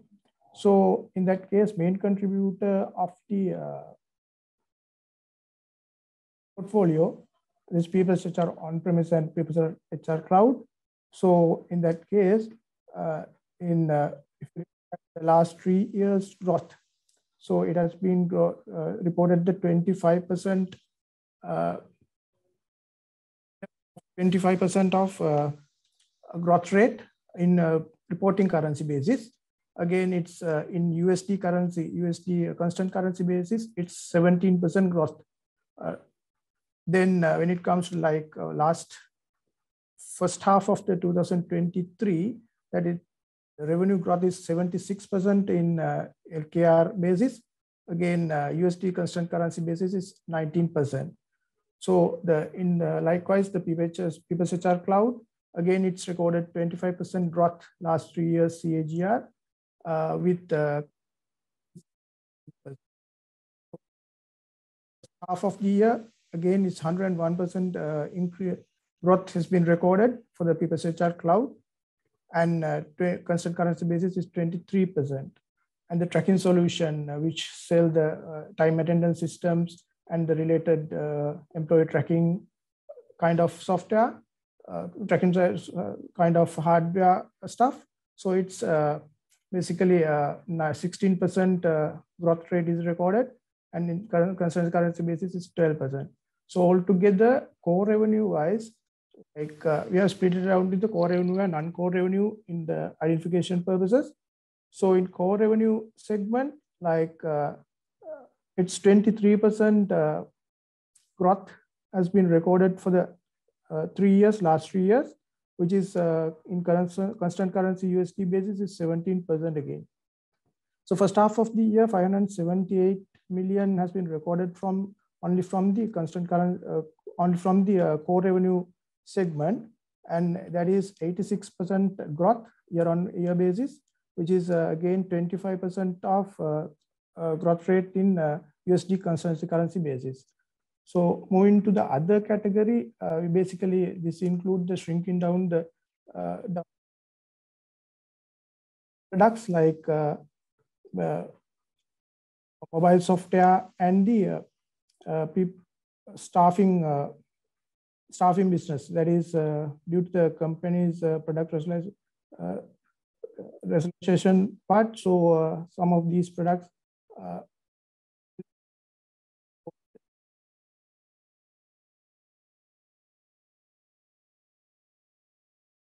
In that case, main contributor of the portfolio is PeoplesHR On-Premise and PeoplesHR Cloud. In that case, if we look at the last three years' growth. It has been reported the 25% growth rate in reporting currency basis. Again, it is in USD. USD constant currency basis, it is 17% growth. When it comes to first half of 2023, the revenue growth is 76% in LKR basis. Again, USD constant currency basis is 19%. Likewise, the PeoplesHR Cloud, again, it has recorded 25% growth last three years CAGR. With the half of the year, again, it is 101% growth has been recorded for the PeoplesHR Cloud, and constant currency basis is 23%. The PeoplesHR Tracking solution, which sells the time attendance systems and the related employee tracking kind of software, tracking kind of hardware. It is basically 16% growth rate recorded, and in constant currency basis is 12%. Altogether, core revenue-wise, we have split it around with the core revenue and non-core revenue in the identification purposes. In core revenue segment, it is 23% growth has been recorded for the last three years, which is in constant currency USD basis is 17% again. For first half of the year, LKR 578 million has been recorded only from the core revenue segment, and that is 86% growth year-on-year basis, which is again 25% growth rate in USD constant currency basis. Moving to the other category, basically, this includes shrinking down products like mobile software and the staffing business. That is due to the company's product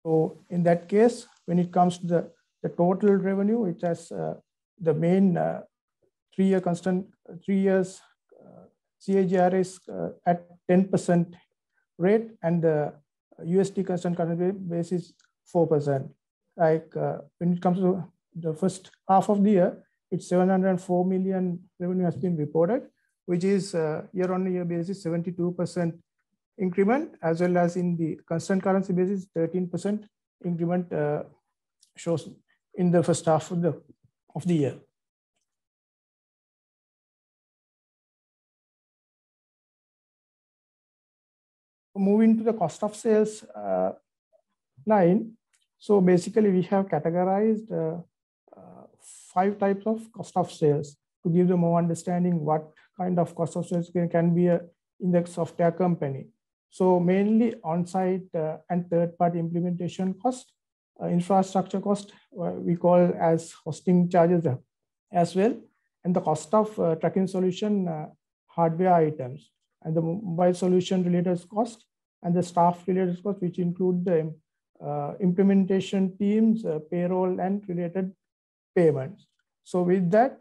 rationalization. In that case, when it comes to the total revenue, it has the main three years CAGR is at 10% and the USD constant currency basis is 4%. When it comes to the first half of the year, LKR 704 million revenue has been reported, which is year-on-year basis, 72% increment, as well as in the constant currency basis, 13% increment shows in the first half of the year. Moving to the cost of sales line. Basically, we have categorized 5 types of cost of sales to give you more understanding what kind of cost of sales can be in the software company. Mainly on-site and third-party implementation cost, infrastructure cost, we call as hosting charges as well, and the cost of PeoplesHR Tracking solution hardware items, and the mobile solution-related cost, and the staff-related cost, which include the implementation teams, payroll, and related payments. With that,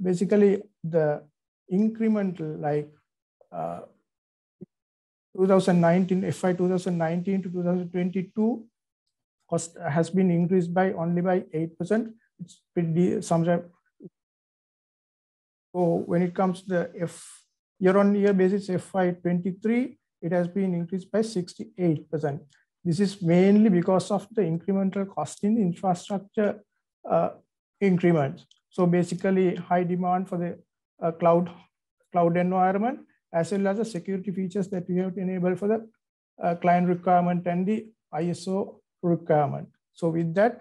basically the incremental FY 2019 to 2022 cost has been increased only by 8%. When it comes to the year-on-year basis, FY 2023, it has been increased by 68%. This is mainly because of the incremental cost in infrastructure. Basically, high demand for the cloud environment, as well as the security features that we have enabled for the client requirement and the ISO requirement. With that,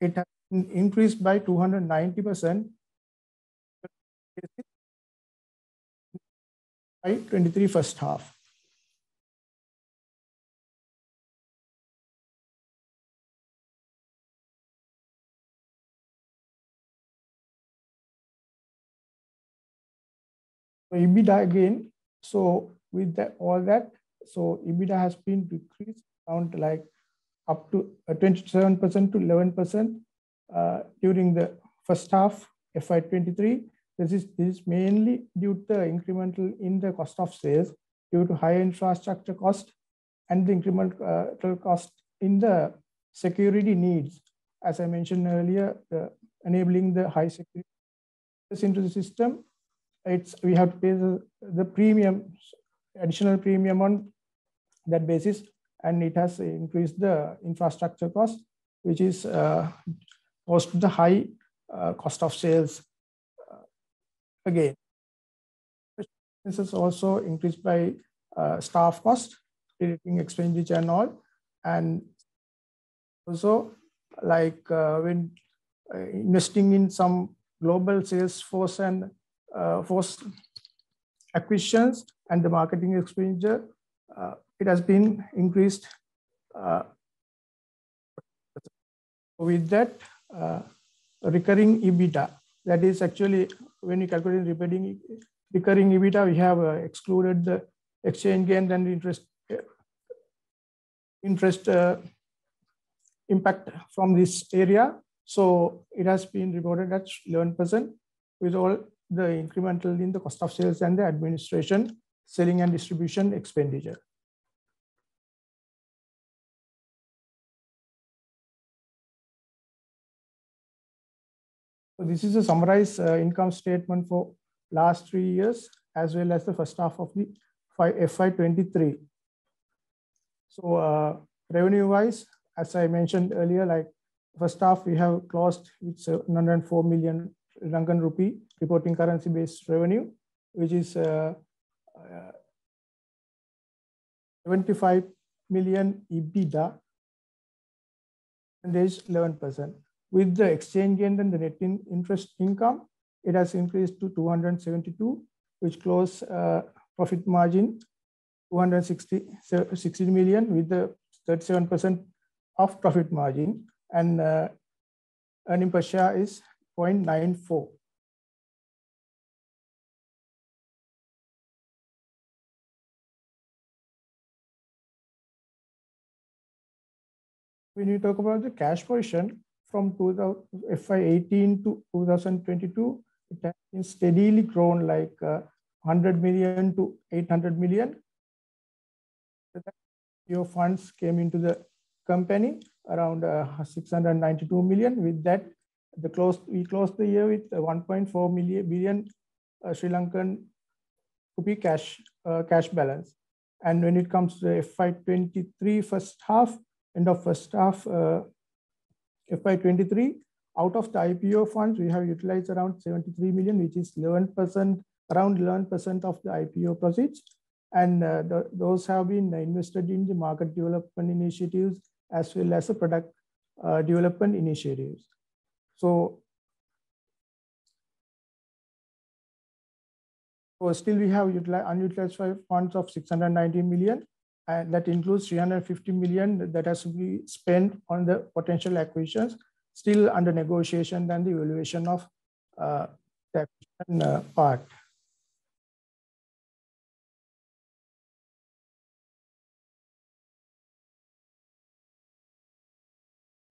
it has increased by 290% FY 2023 first half. EBITDA again, with all that, EBITDA has been decreased around like 27% to 11% during the first half FY 2023. This is mainly due to the incremental in the cost of sales, due to high infrastructure cost and the incremental cost in the security needs. As I mentioned earlier, enabling the high security into the system, we have to pay the additional premium on that basis, and it has increased the infrastructure cost, which is most of the high cost of sales again. This is also increased by staff cost, creating expenditure and all. Also, when investing in some global sales force and acquisitions and the marketing expenditure, it has been increased. With that, recurring EBITDA, that is actually when you calculate recurring EBITDA, we have excluded the exchange gain and the interest impact from this area. It has been reported at 11% with all the incremental in the cost of sales and the administration, selling and distribution expenditure. This is a summarized income statement for last three years as well as the first half of the FY 2023. Revenue-wise, as I mentioned earlier, first half, we have closed with LKR 704 million reporting currency-based revenue, which is LKR 75 million EBITDA, and that is 11%. With the exchange gain and the net interest income, it has increased to LKR 272, which closed profit margin LKR 216 million with the 37% of profit margin, and earning per share is LKR 0.94. When you talk about the cash position from FY 2018 to 2022, it has been steadily grown like LKR 100 million to LKR 800 million. The new funds came into the company around LKR 692 million. With that, we closed the year with LKR 1.4 million cash balance. When it comes to FY 2023 first half, end of first half FY 2023, out of the IPO funds, we have utilized around LKR 73 million, which is around 11% of the IPO proceeds. Those have been invested in the market development initiatives as well as the product development initiatives. Still we have unutilized funds of LKR 690 million, and that includes LKR 350 million that has to be spent on the potential acquisitions still under negotiation, then the evaluation of that part.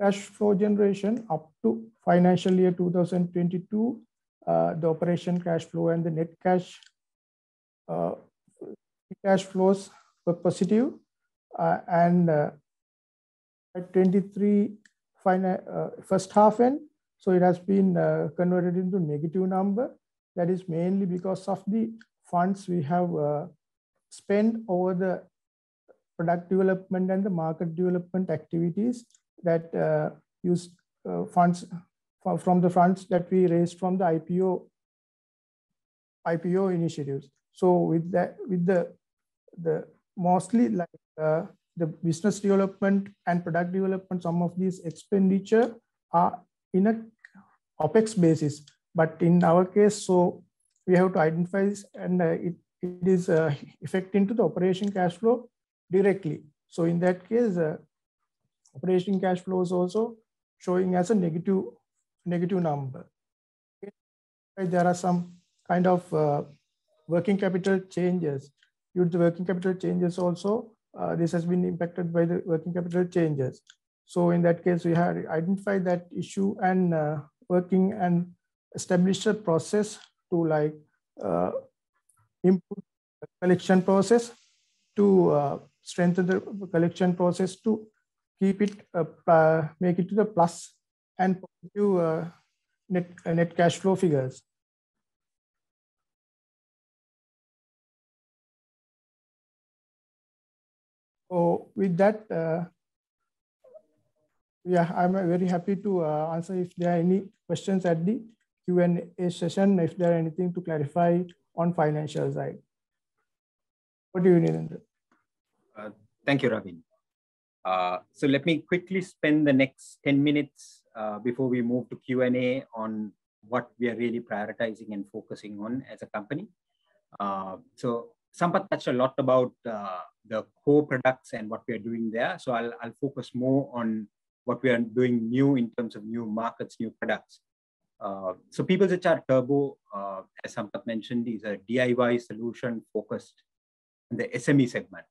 Cash flow generation up to financial year 2022, the operation cash flow and the net cash flows were positive. FY 2023 first half end, it has been converted into negative number. That is mainly because of the funds we have spent over the product development and the market development activities that use funds from the funds that we raised from the IPO initiatives. With that, mostly the business development and product development, some of these expenditure are in an OpEx basis. In our case, we have to identify this and it is affecting to the operation cash flow directly. In that case, operation cash flow is also showing as a negative number. There are some kind of working capital changes. Due to working capital changes also, this has been impacted by the working capital changes. In that case, we had identified that issue and established a process to improve the collection process, to strengthen the collection process, to make it to the plus and give net cash flow figures. With that, yeah, I'm very happy to answer if there are any questions at the Q&A session, if there are anything to clarify on financial side. What do you need, Andrew? Thank you, Raveen. Let me quickly spend the next 10 minutes, before we move to Q&A, on what we are really prioritizing and focusing on as a company. Sampath touched a lot about the core products and what we are doing there. I'll focus more on what we are doing new in terms of new markets, new products. PeoplesHR Turbo, as Sampath mentioned, is a DIY solution focused on the SME segment.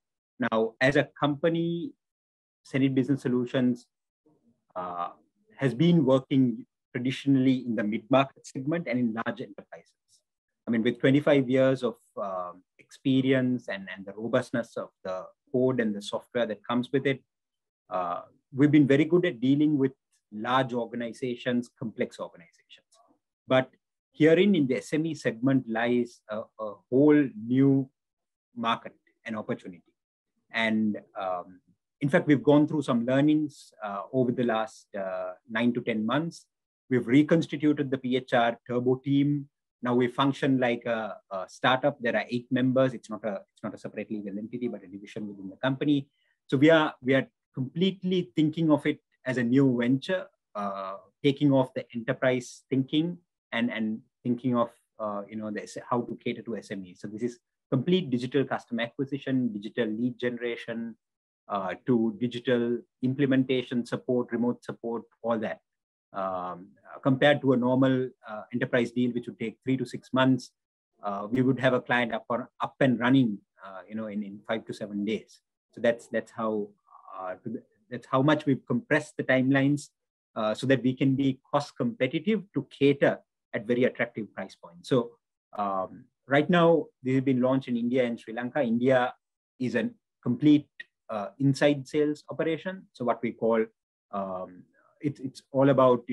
Now, as a company, hSenid Business Solutions has been working traditionally in the mid-market segment and in large enterprises. I mean, with 25 years of experience and the robustness of the code and the software that comes with it, we've been very good at dealing with large organizations, complex organizations. Herein in the SME segment lies a whole new market and opportunity. In fact, we've gone through some learnings over the last nine to 10 months. We've reconstituted the PHR Turbo team. Now we function like a startup. There are eight members. It's not a separate legal entity, but a division within the company. We are completely thinking of it as a new venture, taking off the enterprise thinking and thinking of how to cater to SMEs. This is complete digital customer acquisition, digital lead generation, to digital implementation support, remote support, all that. Compared to a normal enterprise deal, which would take three to six months, we would have a client up and running in five to seven days. That's how much we've compressed the timelines, so that we can be cost competitive to cater at very attractive price points. Right now, we've been launched in India and Sri Lanka. India is a complete inside sales operation. It's all about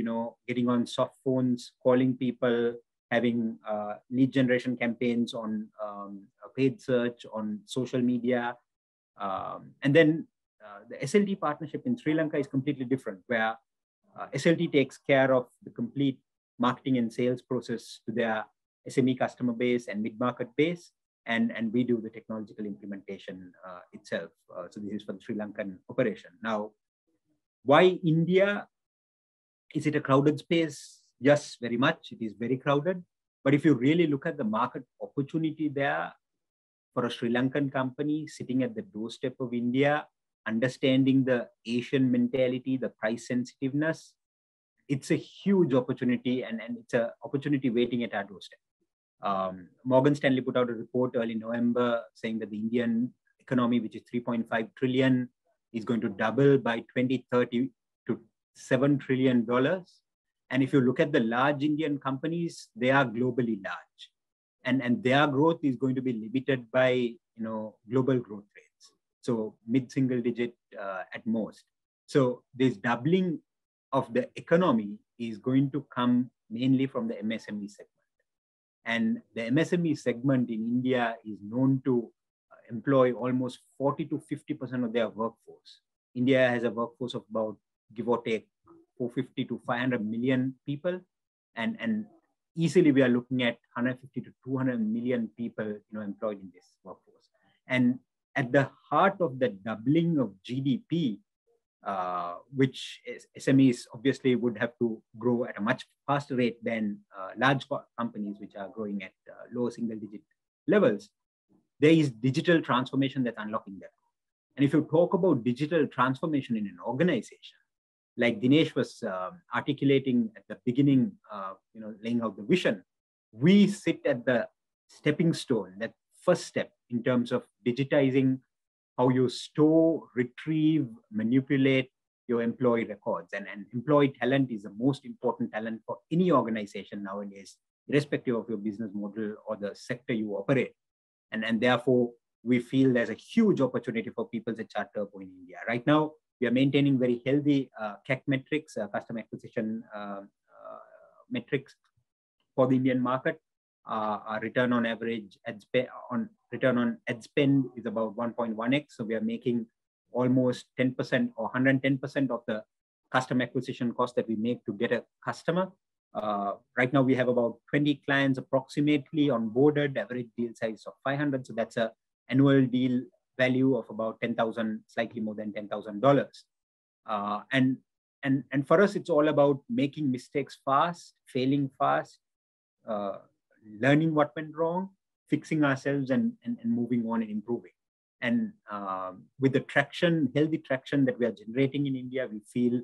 getting on soft phones, calling people, having lead generation campaigns on paid search, on social media. Then the SLT partnership in Sri Lanka is completely different, where SLT takes care of the complete marketing and sales process to their SME customer base and mid-market base, and we do the technological implementation itself. This is for the Sri Lankan operation. Why India? Is it a crowded space? Yes, very much. It is very crowded. If you really look at the market opportunity there, for a Sri Lankan company sitting at the doorstep of India, understanding the Asian mentality, the price sensitiveness, it's a huge opportunity, and it's an opportunity waiting at our doorstep. Morgan Stanley put out a report early November saying that the Indian economy, which is $3.5 trillion, is going to double by 2030 to $7 trillion. If you look at the large Indian companies, they are globally large, and their growth is going to be limited by global growth rates, so mid-single digit at most. This doubling of the economy is going to come mainly from the MSME segment. The MSME segment in India is known to employ almost 40%-50% of their workforce. India has a workforce of about, give or take, 450 million-500 million people, and easily we are looking at 150 million-200 million people employed in this workforce. At the heart of the doubling of GDP, which SMEs obviously would have to grow at a much faster rate than large companies which are growing at low single-digit levels, there is digital transformation that's unlocking that. If you talk about digital transformation in an organization, like Dinesh was articulating at the beginning, laying out the vision, we sit at the stepping stone, that first step in terms of digitizing how you store, retrieve, manipulate your employee records. Employee talent is the most important talent for any organization nowadays, irrespective of your business model or the sector you operate. Therefore, we feel there's a huge opportunity for PeoplesHR Turbo in India. Right now, we are maintaining very healthy CAC metrics, customer acquisition metrics for the Indian market. Our return on ad spend is about 1.1x, we are making almost 10% or 110% of the customer acquisition cost that we make to get a customer. Right now, we have about 20 clients approximately onboarded, the average deal size of $500. That's an annual deal value of about $10,000, slightly more than $10,000. For us, it's all about making mistakes fast, failing fast, learning what went wrong, fixing ourselves, and moving on and improving. With the healthy traction that we are generating in India, we feel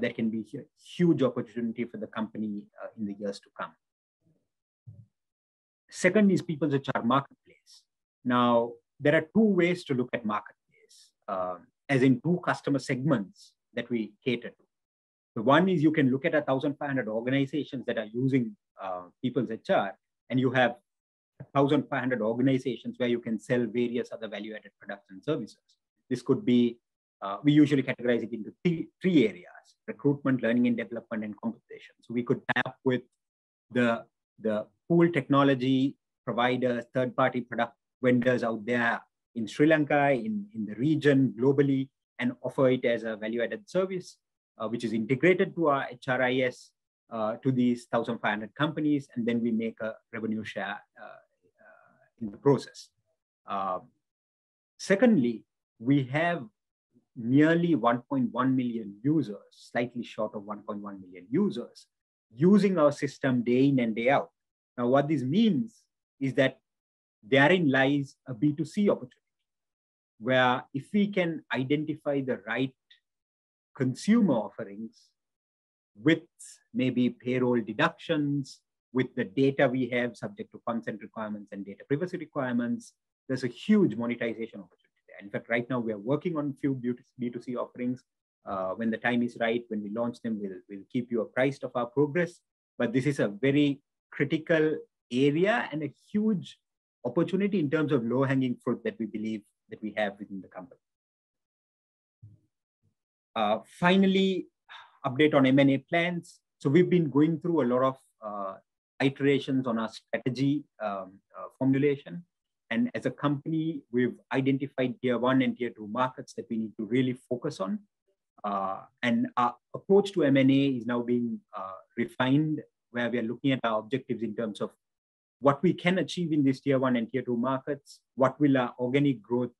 there can be a huge opportunity for the company in the years to come. Second is PeoplesHR Marketplace. There are two ways to look at Marketplace, as in two customer segments that we cater to. One is you can look at 1,500 organizations that are using PeoplesHR, and you have 1,500 organizations where you can sell various other value-added products and services. We usually categorize it into three areas: recruitment, learning and development, and compensation. We could tap with the pool technology providers, third-party product vendors out there in Sri Lanka, in the region, globally, and offer it as a value-added service, which is integrated to our HRIS to these 1,500 companies, and then we make a revenue share in the process. Secondly, we have nearly 1.1 million users, slightly short of 1.1 million users, using our system day in and day out. What this means is that therein lies a B2C opportunity, where if we can identify the right consumer offerings with maybe payroll deductions, with the data we have subject to consent requirements and data privacy requirements, there's a huge monetization opportunity there. In fact, right now we are working on a few B2C offerings. When the time is right, when we launch them, we'll keep you apprised of our progress. This is a very critical area and a huge opportunity in terms of low-hanging fruit that we believe that we have within the company. Finally, update on M&A plans. We've been going through a lot of iterations on our strategy formulation, and as a company, we've identified tier 1 and tier 2 markets that we need to really focus on. Our approach to M&A is now being refined, where we are looking at our objectives in terms of what we can achieve in these tier 1 and tier 2 markets, what will our organic growth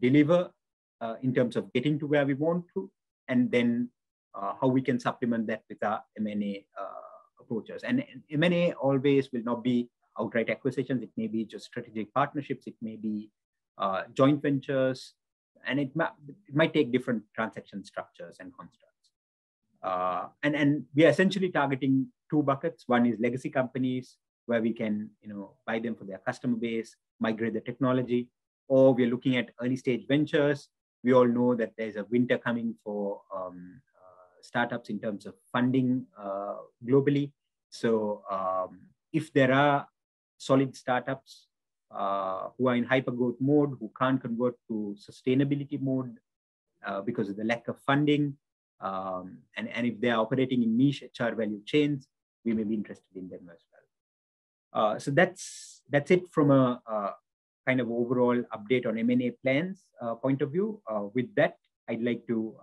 deliver in terms of getting to where we want to, then how we can supplement that with our M&A approaches. M&A always will not be outright acquisitions. It may be just strategic partnerships, it may be joint ventures, and it might take different transaction structures and constructs. We are essentially targeting two buckets. One is legacy companies where we can buy them for their customer base, migrate the technology, or we are looking at early-stage ventures. We all know that there's a winter coming for startups in terms of funding globally. If there are solid startups who are in hyper-growth mode, who can't convert to sustainability mode because of the lack of funding, and if they are operating in niche HR value chains, we may be interested in them as well. That's it from a kind of overall update on M&A plans point of view. With that, I'd like to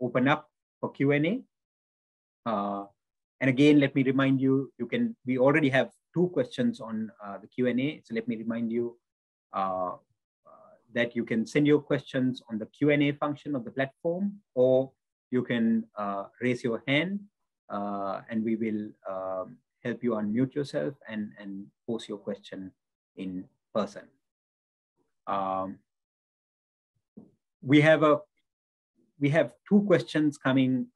open up for Q&A. Again, let me remind you, we already have two questions on the Q&A. Let me remind you that you can send your questions on the Q&A function of the platform, or you can raise your hand, and we will help you unmute yourself and pose your question in person. We have two questions coming,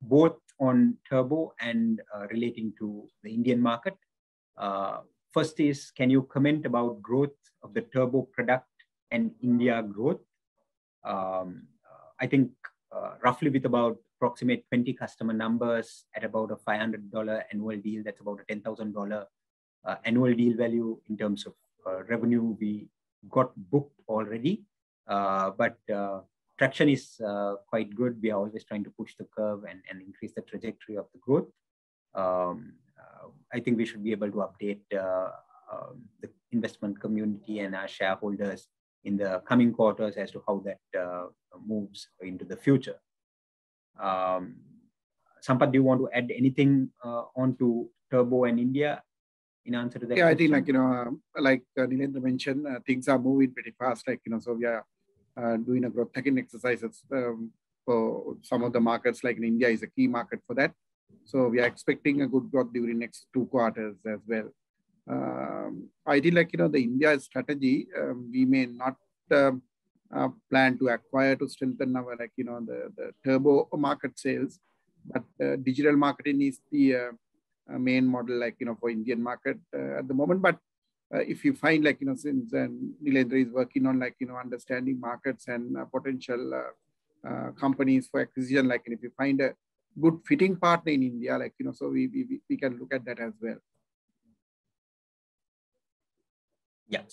both on Turbo and relating to the Indian market. First is, can you comment about growth of the Turbo product and India growth? I think roughly with about approximate 20 customer numbers at about a LKR 500 annual deal, that's about a LKR 10,000 annual deal value in terms of revenue we got booked already. Traction is quite good. We are always trying to push the curve and increase the trajectory of the growth. I think we should be able to update the investment community and our shareholders in the coming quarters as to how that moves into the future. Sampath, do you want to add anything onto Turbo and India in answer to that question? I think like Nilendra mentioned, things are moving pretty fast. We are doing a growth hacking exercises for some of the markets, like India is a key market for that. We are expecting a good growth during next two quarters as well. I think the India strategy, we may not plan to acquire to strengthen our Turbo market sales, digital marketing is the main model for Indian market at the moment. If you find, since then Nilendra is working on understanding markets and potential companies for acquisition. If we find a good fitting partner in India, we can look at that as well.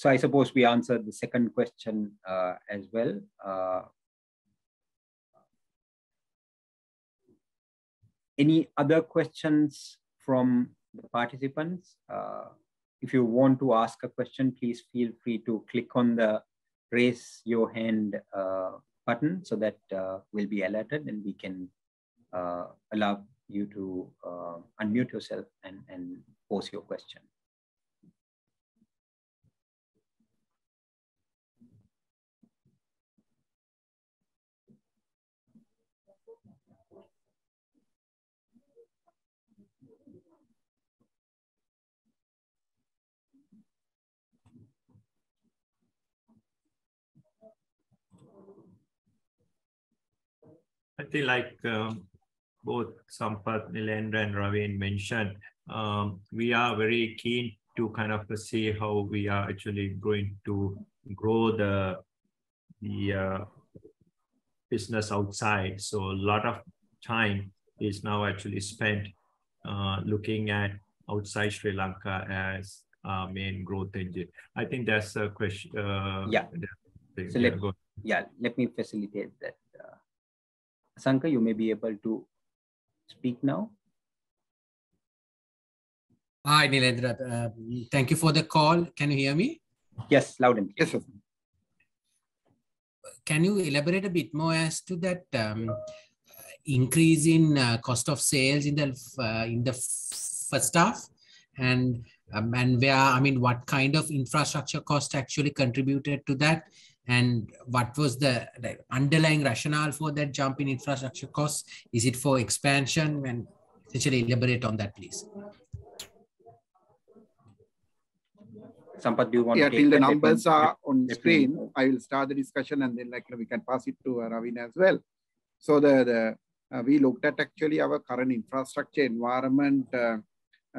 I suppose we answered the second question as well. Any other questions from the participants? If you want to ask a question, please feel free to click on the Raise Your Hand button, that we'll be alerted and we can allow you to unmute yourself and pose your question. I think like both Sampath, Nilendra, and Raveen mentioned, we are very keen to kind of foresee how we are actually going to grow the business outside. A lot of time is now actually spent looking at outside Sri Lanka as our main growth engine. Yeah So let- Go on. Yeah, let me facilitate that. Asanka, you may be able to speak now. Hi, Nilendra. Thank you for the call. Can you hear me? Yes, loud and clear. Yes, sure. Can you elaborate a bit more as to that increase in cost of sales in the first half? What kind of infrastructure cost actually contributed to that? What was the underlying rationale for that jump in infrastructure costs? Is it for expansion? Essentially elaborate on that, please. Sampath, do you want to. Yeah, till the numbers are on screen, I will start the discussion and then we can pass it to Ravin as well. We looked at actually our current infrastructure environment,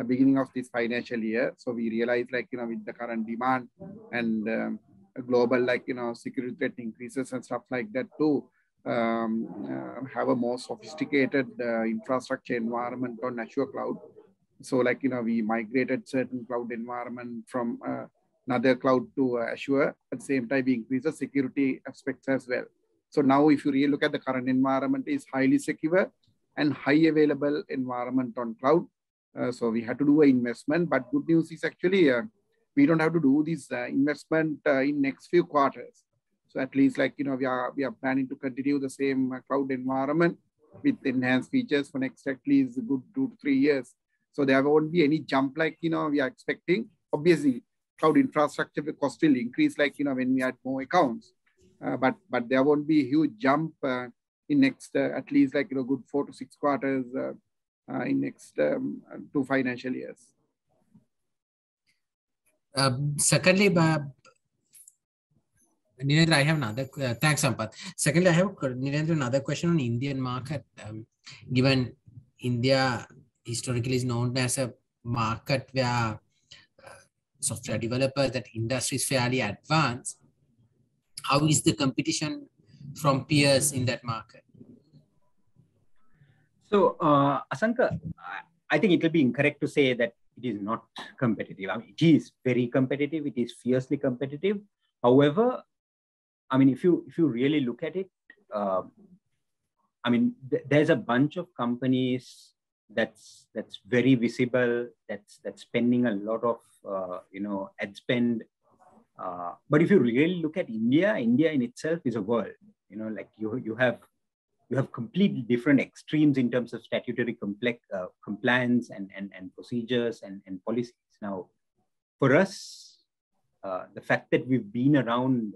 beginning of this financial year. We realized with the current demand and global security threat increases and stuff like that too, have a more sophisticated infrastructure environment on Azure cloud. We migrated certain cloud environment from another cloud to Azure. At the same time, we increase the security aspects as well. Now if you really look at the current environment is highly secure and high available environment on cloud. We had to do a investment, but good news is actually, we don't have to do this investment in next few quarters. At least we are planning to continue the same cloud environment with enhanced features for next at least a good 2-3 years. There won't be any jump like we are expecting. Obviously, cloud infrastructure cost will increase when we add more accounts. There won't be a huge jump in next at least a good 4-6 quarters in next two financial years. Thanks, Sampath. Secondly, I have, Nilendra, another question on Indian market. Given India historically is known as a market where software developers, that industry is fairly advanced, how is the competition from peers in that market? Asanka, I think it would be incorrect to say that it is not competitive. It is very competitive. It is fiercely competitive. However, if you really look at it, there's a bunch of companies that's very visible, that's spending a lot of ad spend. If you really look at India in itself is a world. You have complete different extremes in terms of statutory compliance and procedures and policies. For us, the fact that we've been around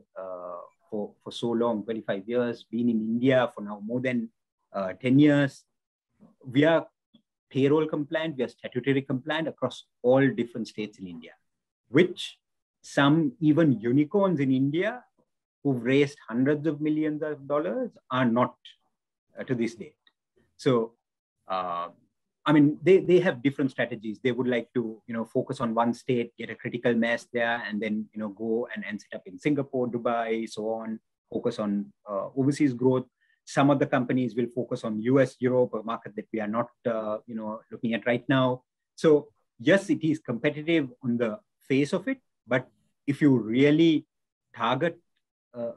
for so long, 25 years, been in India for now more than 10 years. We are payroll compliant, we are statutory compliant across all different states in India, which some even unicorns in India who've raised LKR hundreds of millions are not to this date. They have different strategies. They would like to focus on one state, get a critical mass there, and then go and end up in Singapore, Dubai, so on, focus on overseas growth. Some of the companies will focus on U.S., Europe, or market that we are not looking at right now. Yes, it is competitive on the face of it, but if you really target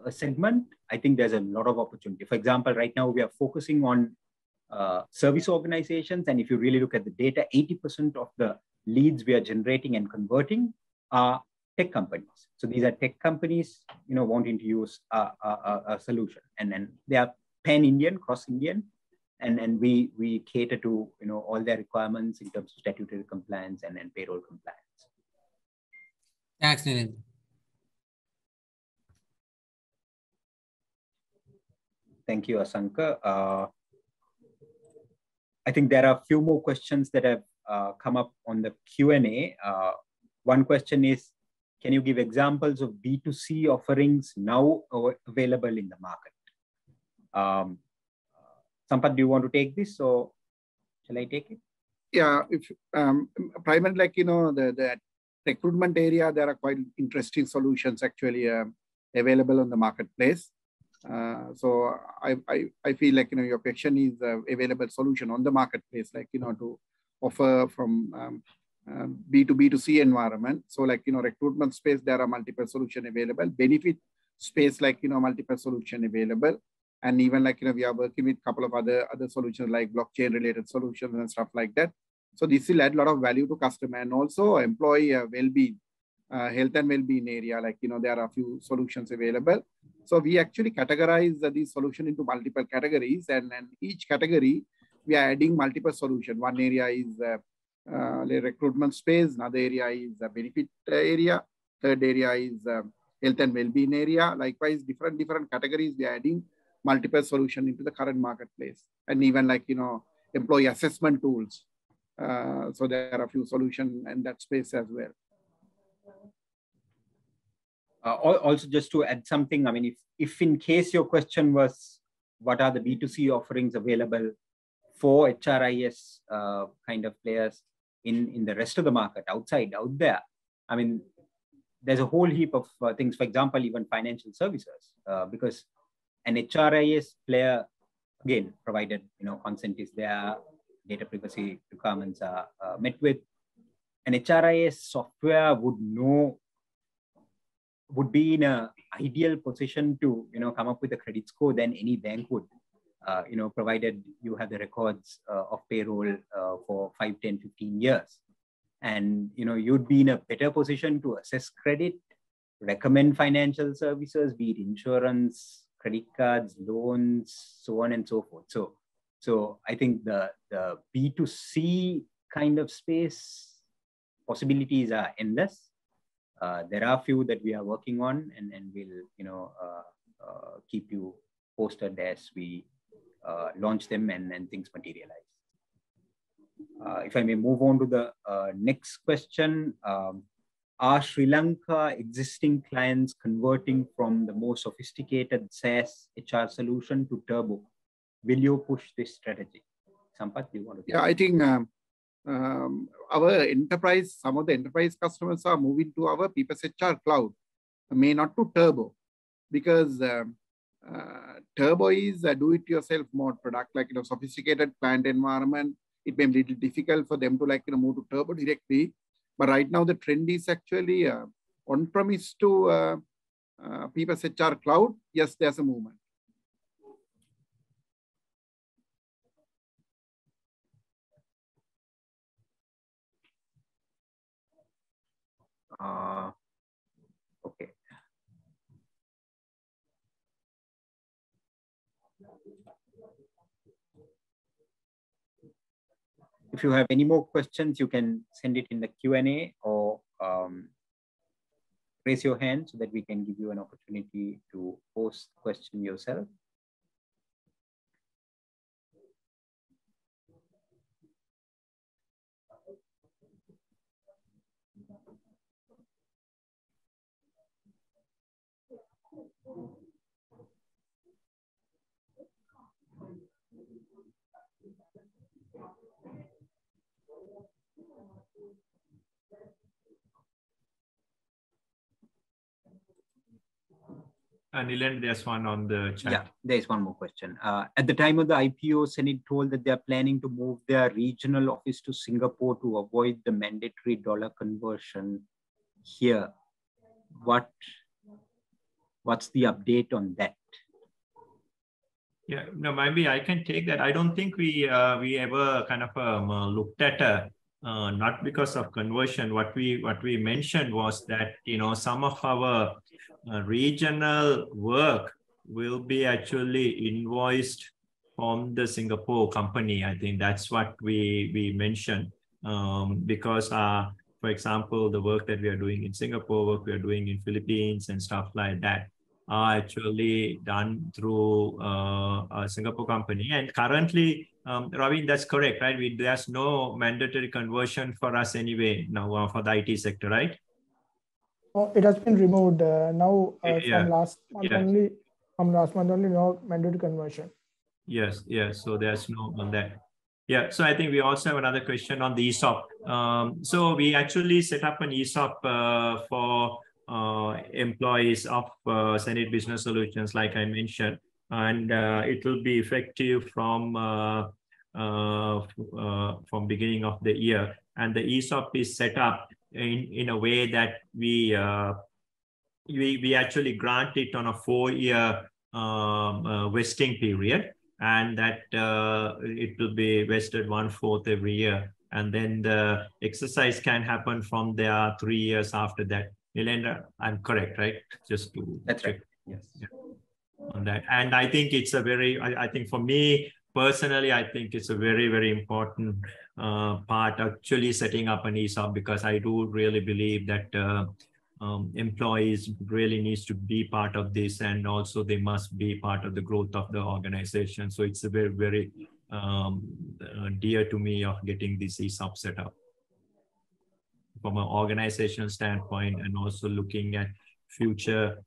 a segment, I think there's a lot of opportunity. For example, right now we are focusing on service organizations, and if you really look at the data, 80% of the leads we are generating and converting are tech companies. These are tech companies wanting to use our solution, and then they are pan-Indian, cross-Indian, and we cater to all their requirements in terms of statutory compliance and then payroll compliance. Excellent. Thank you, Asanka. I think there are a few more questions that have come up on the Q&A. One question is, "Can you give examples of B2C offerings now available in the market?" Sampath, do you want to take this, or shall I take it? Yeah. Primarily, the recruitment area, there are quite interesting solutions actually available on the marketplace. I feel like your question is available solution on the marketplace, to offer from B2B to C environment. Recruitment space, there are multiple solution available. Benefit space, multiple solution available. Even we are working with couple of other solutions like blockchain-related solutions and stuff like that. This will add a lot of value to customer. Also employee well-being, health and well-being area, there are a few solutions available. We actually categorize these solution into multiple categories, and then each category, we are adding multiple solution. One area is the recruitment space, another area is benefit area, third area is health and well-being area. Likewise, different categories, we are adding multiple solution into the current marketplace. Even employee assessment tools. There are a few solution in that space as well. Also, just to add something. If in case your question was what are the B2C offerings available for HRIS kind of players in the rest of the market outside, out there's a whole heap of things. For example, even financial services. Because an HRIS player, again, provided consent is there, data privacy requirements are met with, an HRIS software would be in a ideal position to come up with a credit score than any bank would, provided you have the records of payroll for 5, 10, 15 years. You'd be in a better position to assess credit, recommend financial services, be it insurance, credit cards, loans, so on and so forth. I think the B2C kind of space, possibilities are endless. There are a few that we are working on, and we'll keep you posted as we launch them and things materialize. If I may move on to the next question. "Are Sri Lanka existing clients converting from the more sophisticated SaaS HR solution to Turbo? Will you push this strategy?" Sampath, do you want to take it? Yeah, I think some of the enterprise customers are moving to our PeoplesHR Cloud. May not to Turbo, because Turbo is a do it yourself more product. Like sophisticated planned environment, it may be a little difficult for them to move to Turbo directly. Right now the trend is actually on-premise to PeoplesHR Cloud. Yes, there's a movement. Okay. If you have any more questions, you can send it in the Q&A or raise your hand so that we can give you an opportunity to pose the question yourself. Nilendra, there's one on the chat. Yeah, there is one more question. "At the time of the IPO, hSenid told that they're planning to move their regional office to Singapore to avoid the mandatory dollar conversion here. What's the update on that? Yeah. No, maybe I can take that. I don't think we ever looked at, not because of conversion. What we mentioned was that some of our regional work will be actually invoiced from the Singapore company. I think that's what we mentioned. For example, the work that we are doing in Singapore, work we are doing in Philippines, and stuff like that Are actually done through a Singapore company. Currently, Raveen, that's correct, right? There's no mandatory conversion for us anyway now for the IT sector, right? It has been removed now. Yeah From last month only. From last month only now, mandatory conversion. There's no on that. I think we also have another question on the ESOP. We actually set up an ESOP for employees of hSenid Business Solutions, like I mentioned. It will be effective from beginning of the year. The ESOP is set up in a way that we actually grant it on a four-year vesting period, and that it will be vested one-fourth every year. Then the exercise can happen from there, three years after that. Nilendra, I'm correct, right? That's right. Yes. On that. I think for me personally, I think it's a very important part, actually, setting up an ESOP because I do really believe that employees really needs to be part of this, and also they must be part of the growth of the organization. It's very dear to me of getting this ESOP set up from an organizational standpoint and also looking at future,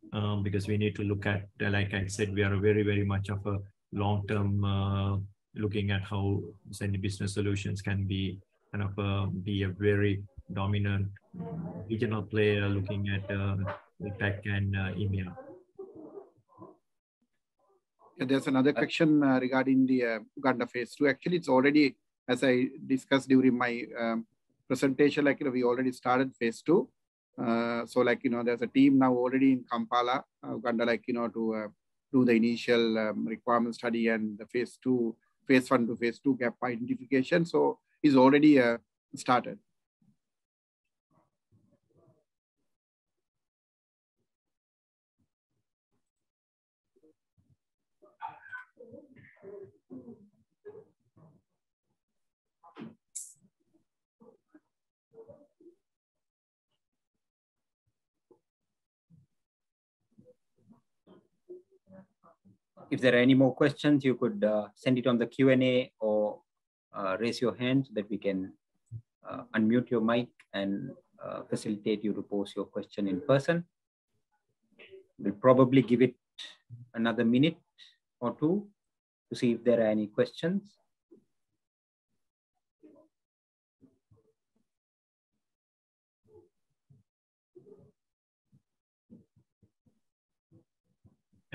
because we need to look at, like I said, we are very much of a long-term, looking at how hSenid Business Solutions can be a very dominant regional player looking at the tech and EMEA. There's another question regarding the Uganda phase 2. It's already, as I discussed during my presentation, we already started phase 2. There's a team now already in Kampala, Uganda, to do the initial requirements study and the phase 1 to phase 2 gap identification. It's already started. If there are any more questions, you could send it on the Q&A or raise your hand that we can unmute your mic and facilitate you to pose your question in person. We'll probably give it another minute or two to see if there are any questions.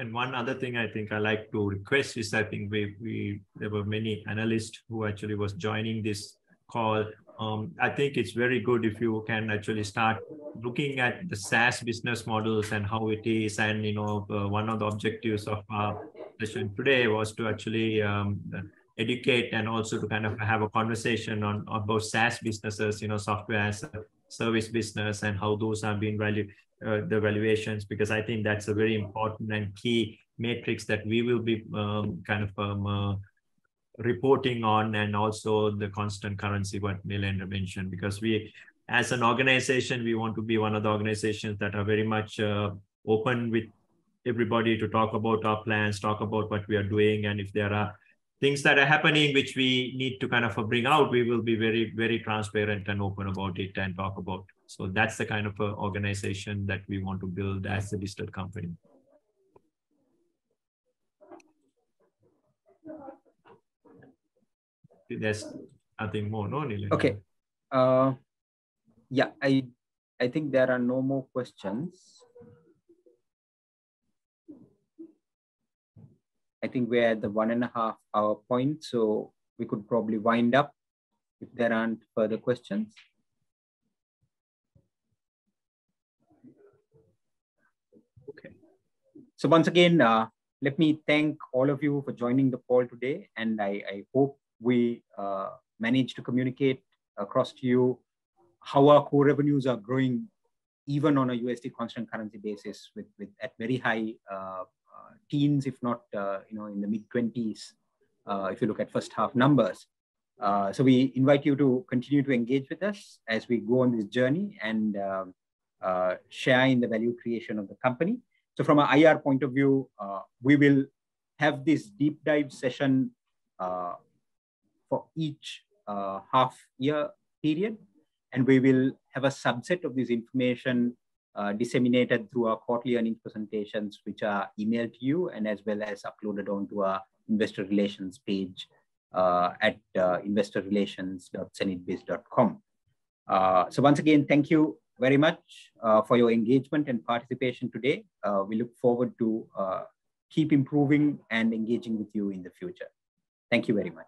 One other thing I think I like to request is, I think there were many analysts who actually was joining this call. I think it's very good if you can actually start looking at the SaaS business models and how it is. One of the objectives of our session today was to actually educate and also to have a conversation on both SaaS businesses, software service business, and how those are being valued, the valuations, because I think that's a very important and key metrics that we will be reporting on, and also the constant currency, what Milen mentioned. As an organization, we want to be one of the organizations that are very much open with everybody to talk about our plans, talk about what we are doing, and if there are things that are happening which we need to bring out, we will be very transparent and open about it and talk about. That's the kind of organization that we want to build as a listed company. There's nothing more, no, Milen? Okay. Yeah, I think there are no more questions. I think we're at the one and a half hour point, we could probably wind up if there aren't further questions. Okay. Once again, let me thank all of you for joining the call today, and I hope we managed to communicate across to you how our core revenues are growing, even on a USD constant currency basis with at very high teens, if not, in the mid-20s, if you look at first half numbers. We invite you to continue to engage with us as we go on this journey and share in the value creation of the company. From an IR point of view, we will have this deep dive session for each half year period. We will have a subset of this information disseminated through our quarterly earnings presentations, which are emailed to you and as well as uploaded onto our investor relations page at investorrelations.hsenidbiz.com. Once again, thank you very much for your engagement and participation today. We look forward to keep improving and engaging with you in the future. Thank you very much.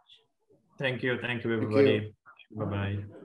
Thank you. Thank you, everybody. Thank you. Bye-bye.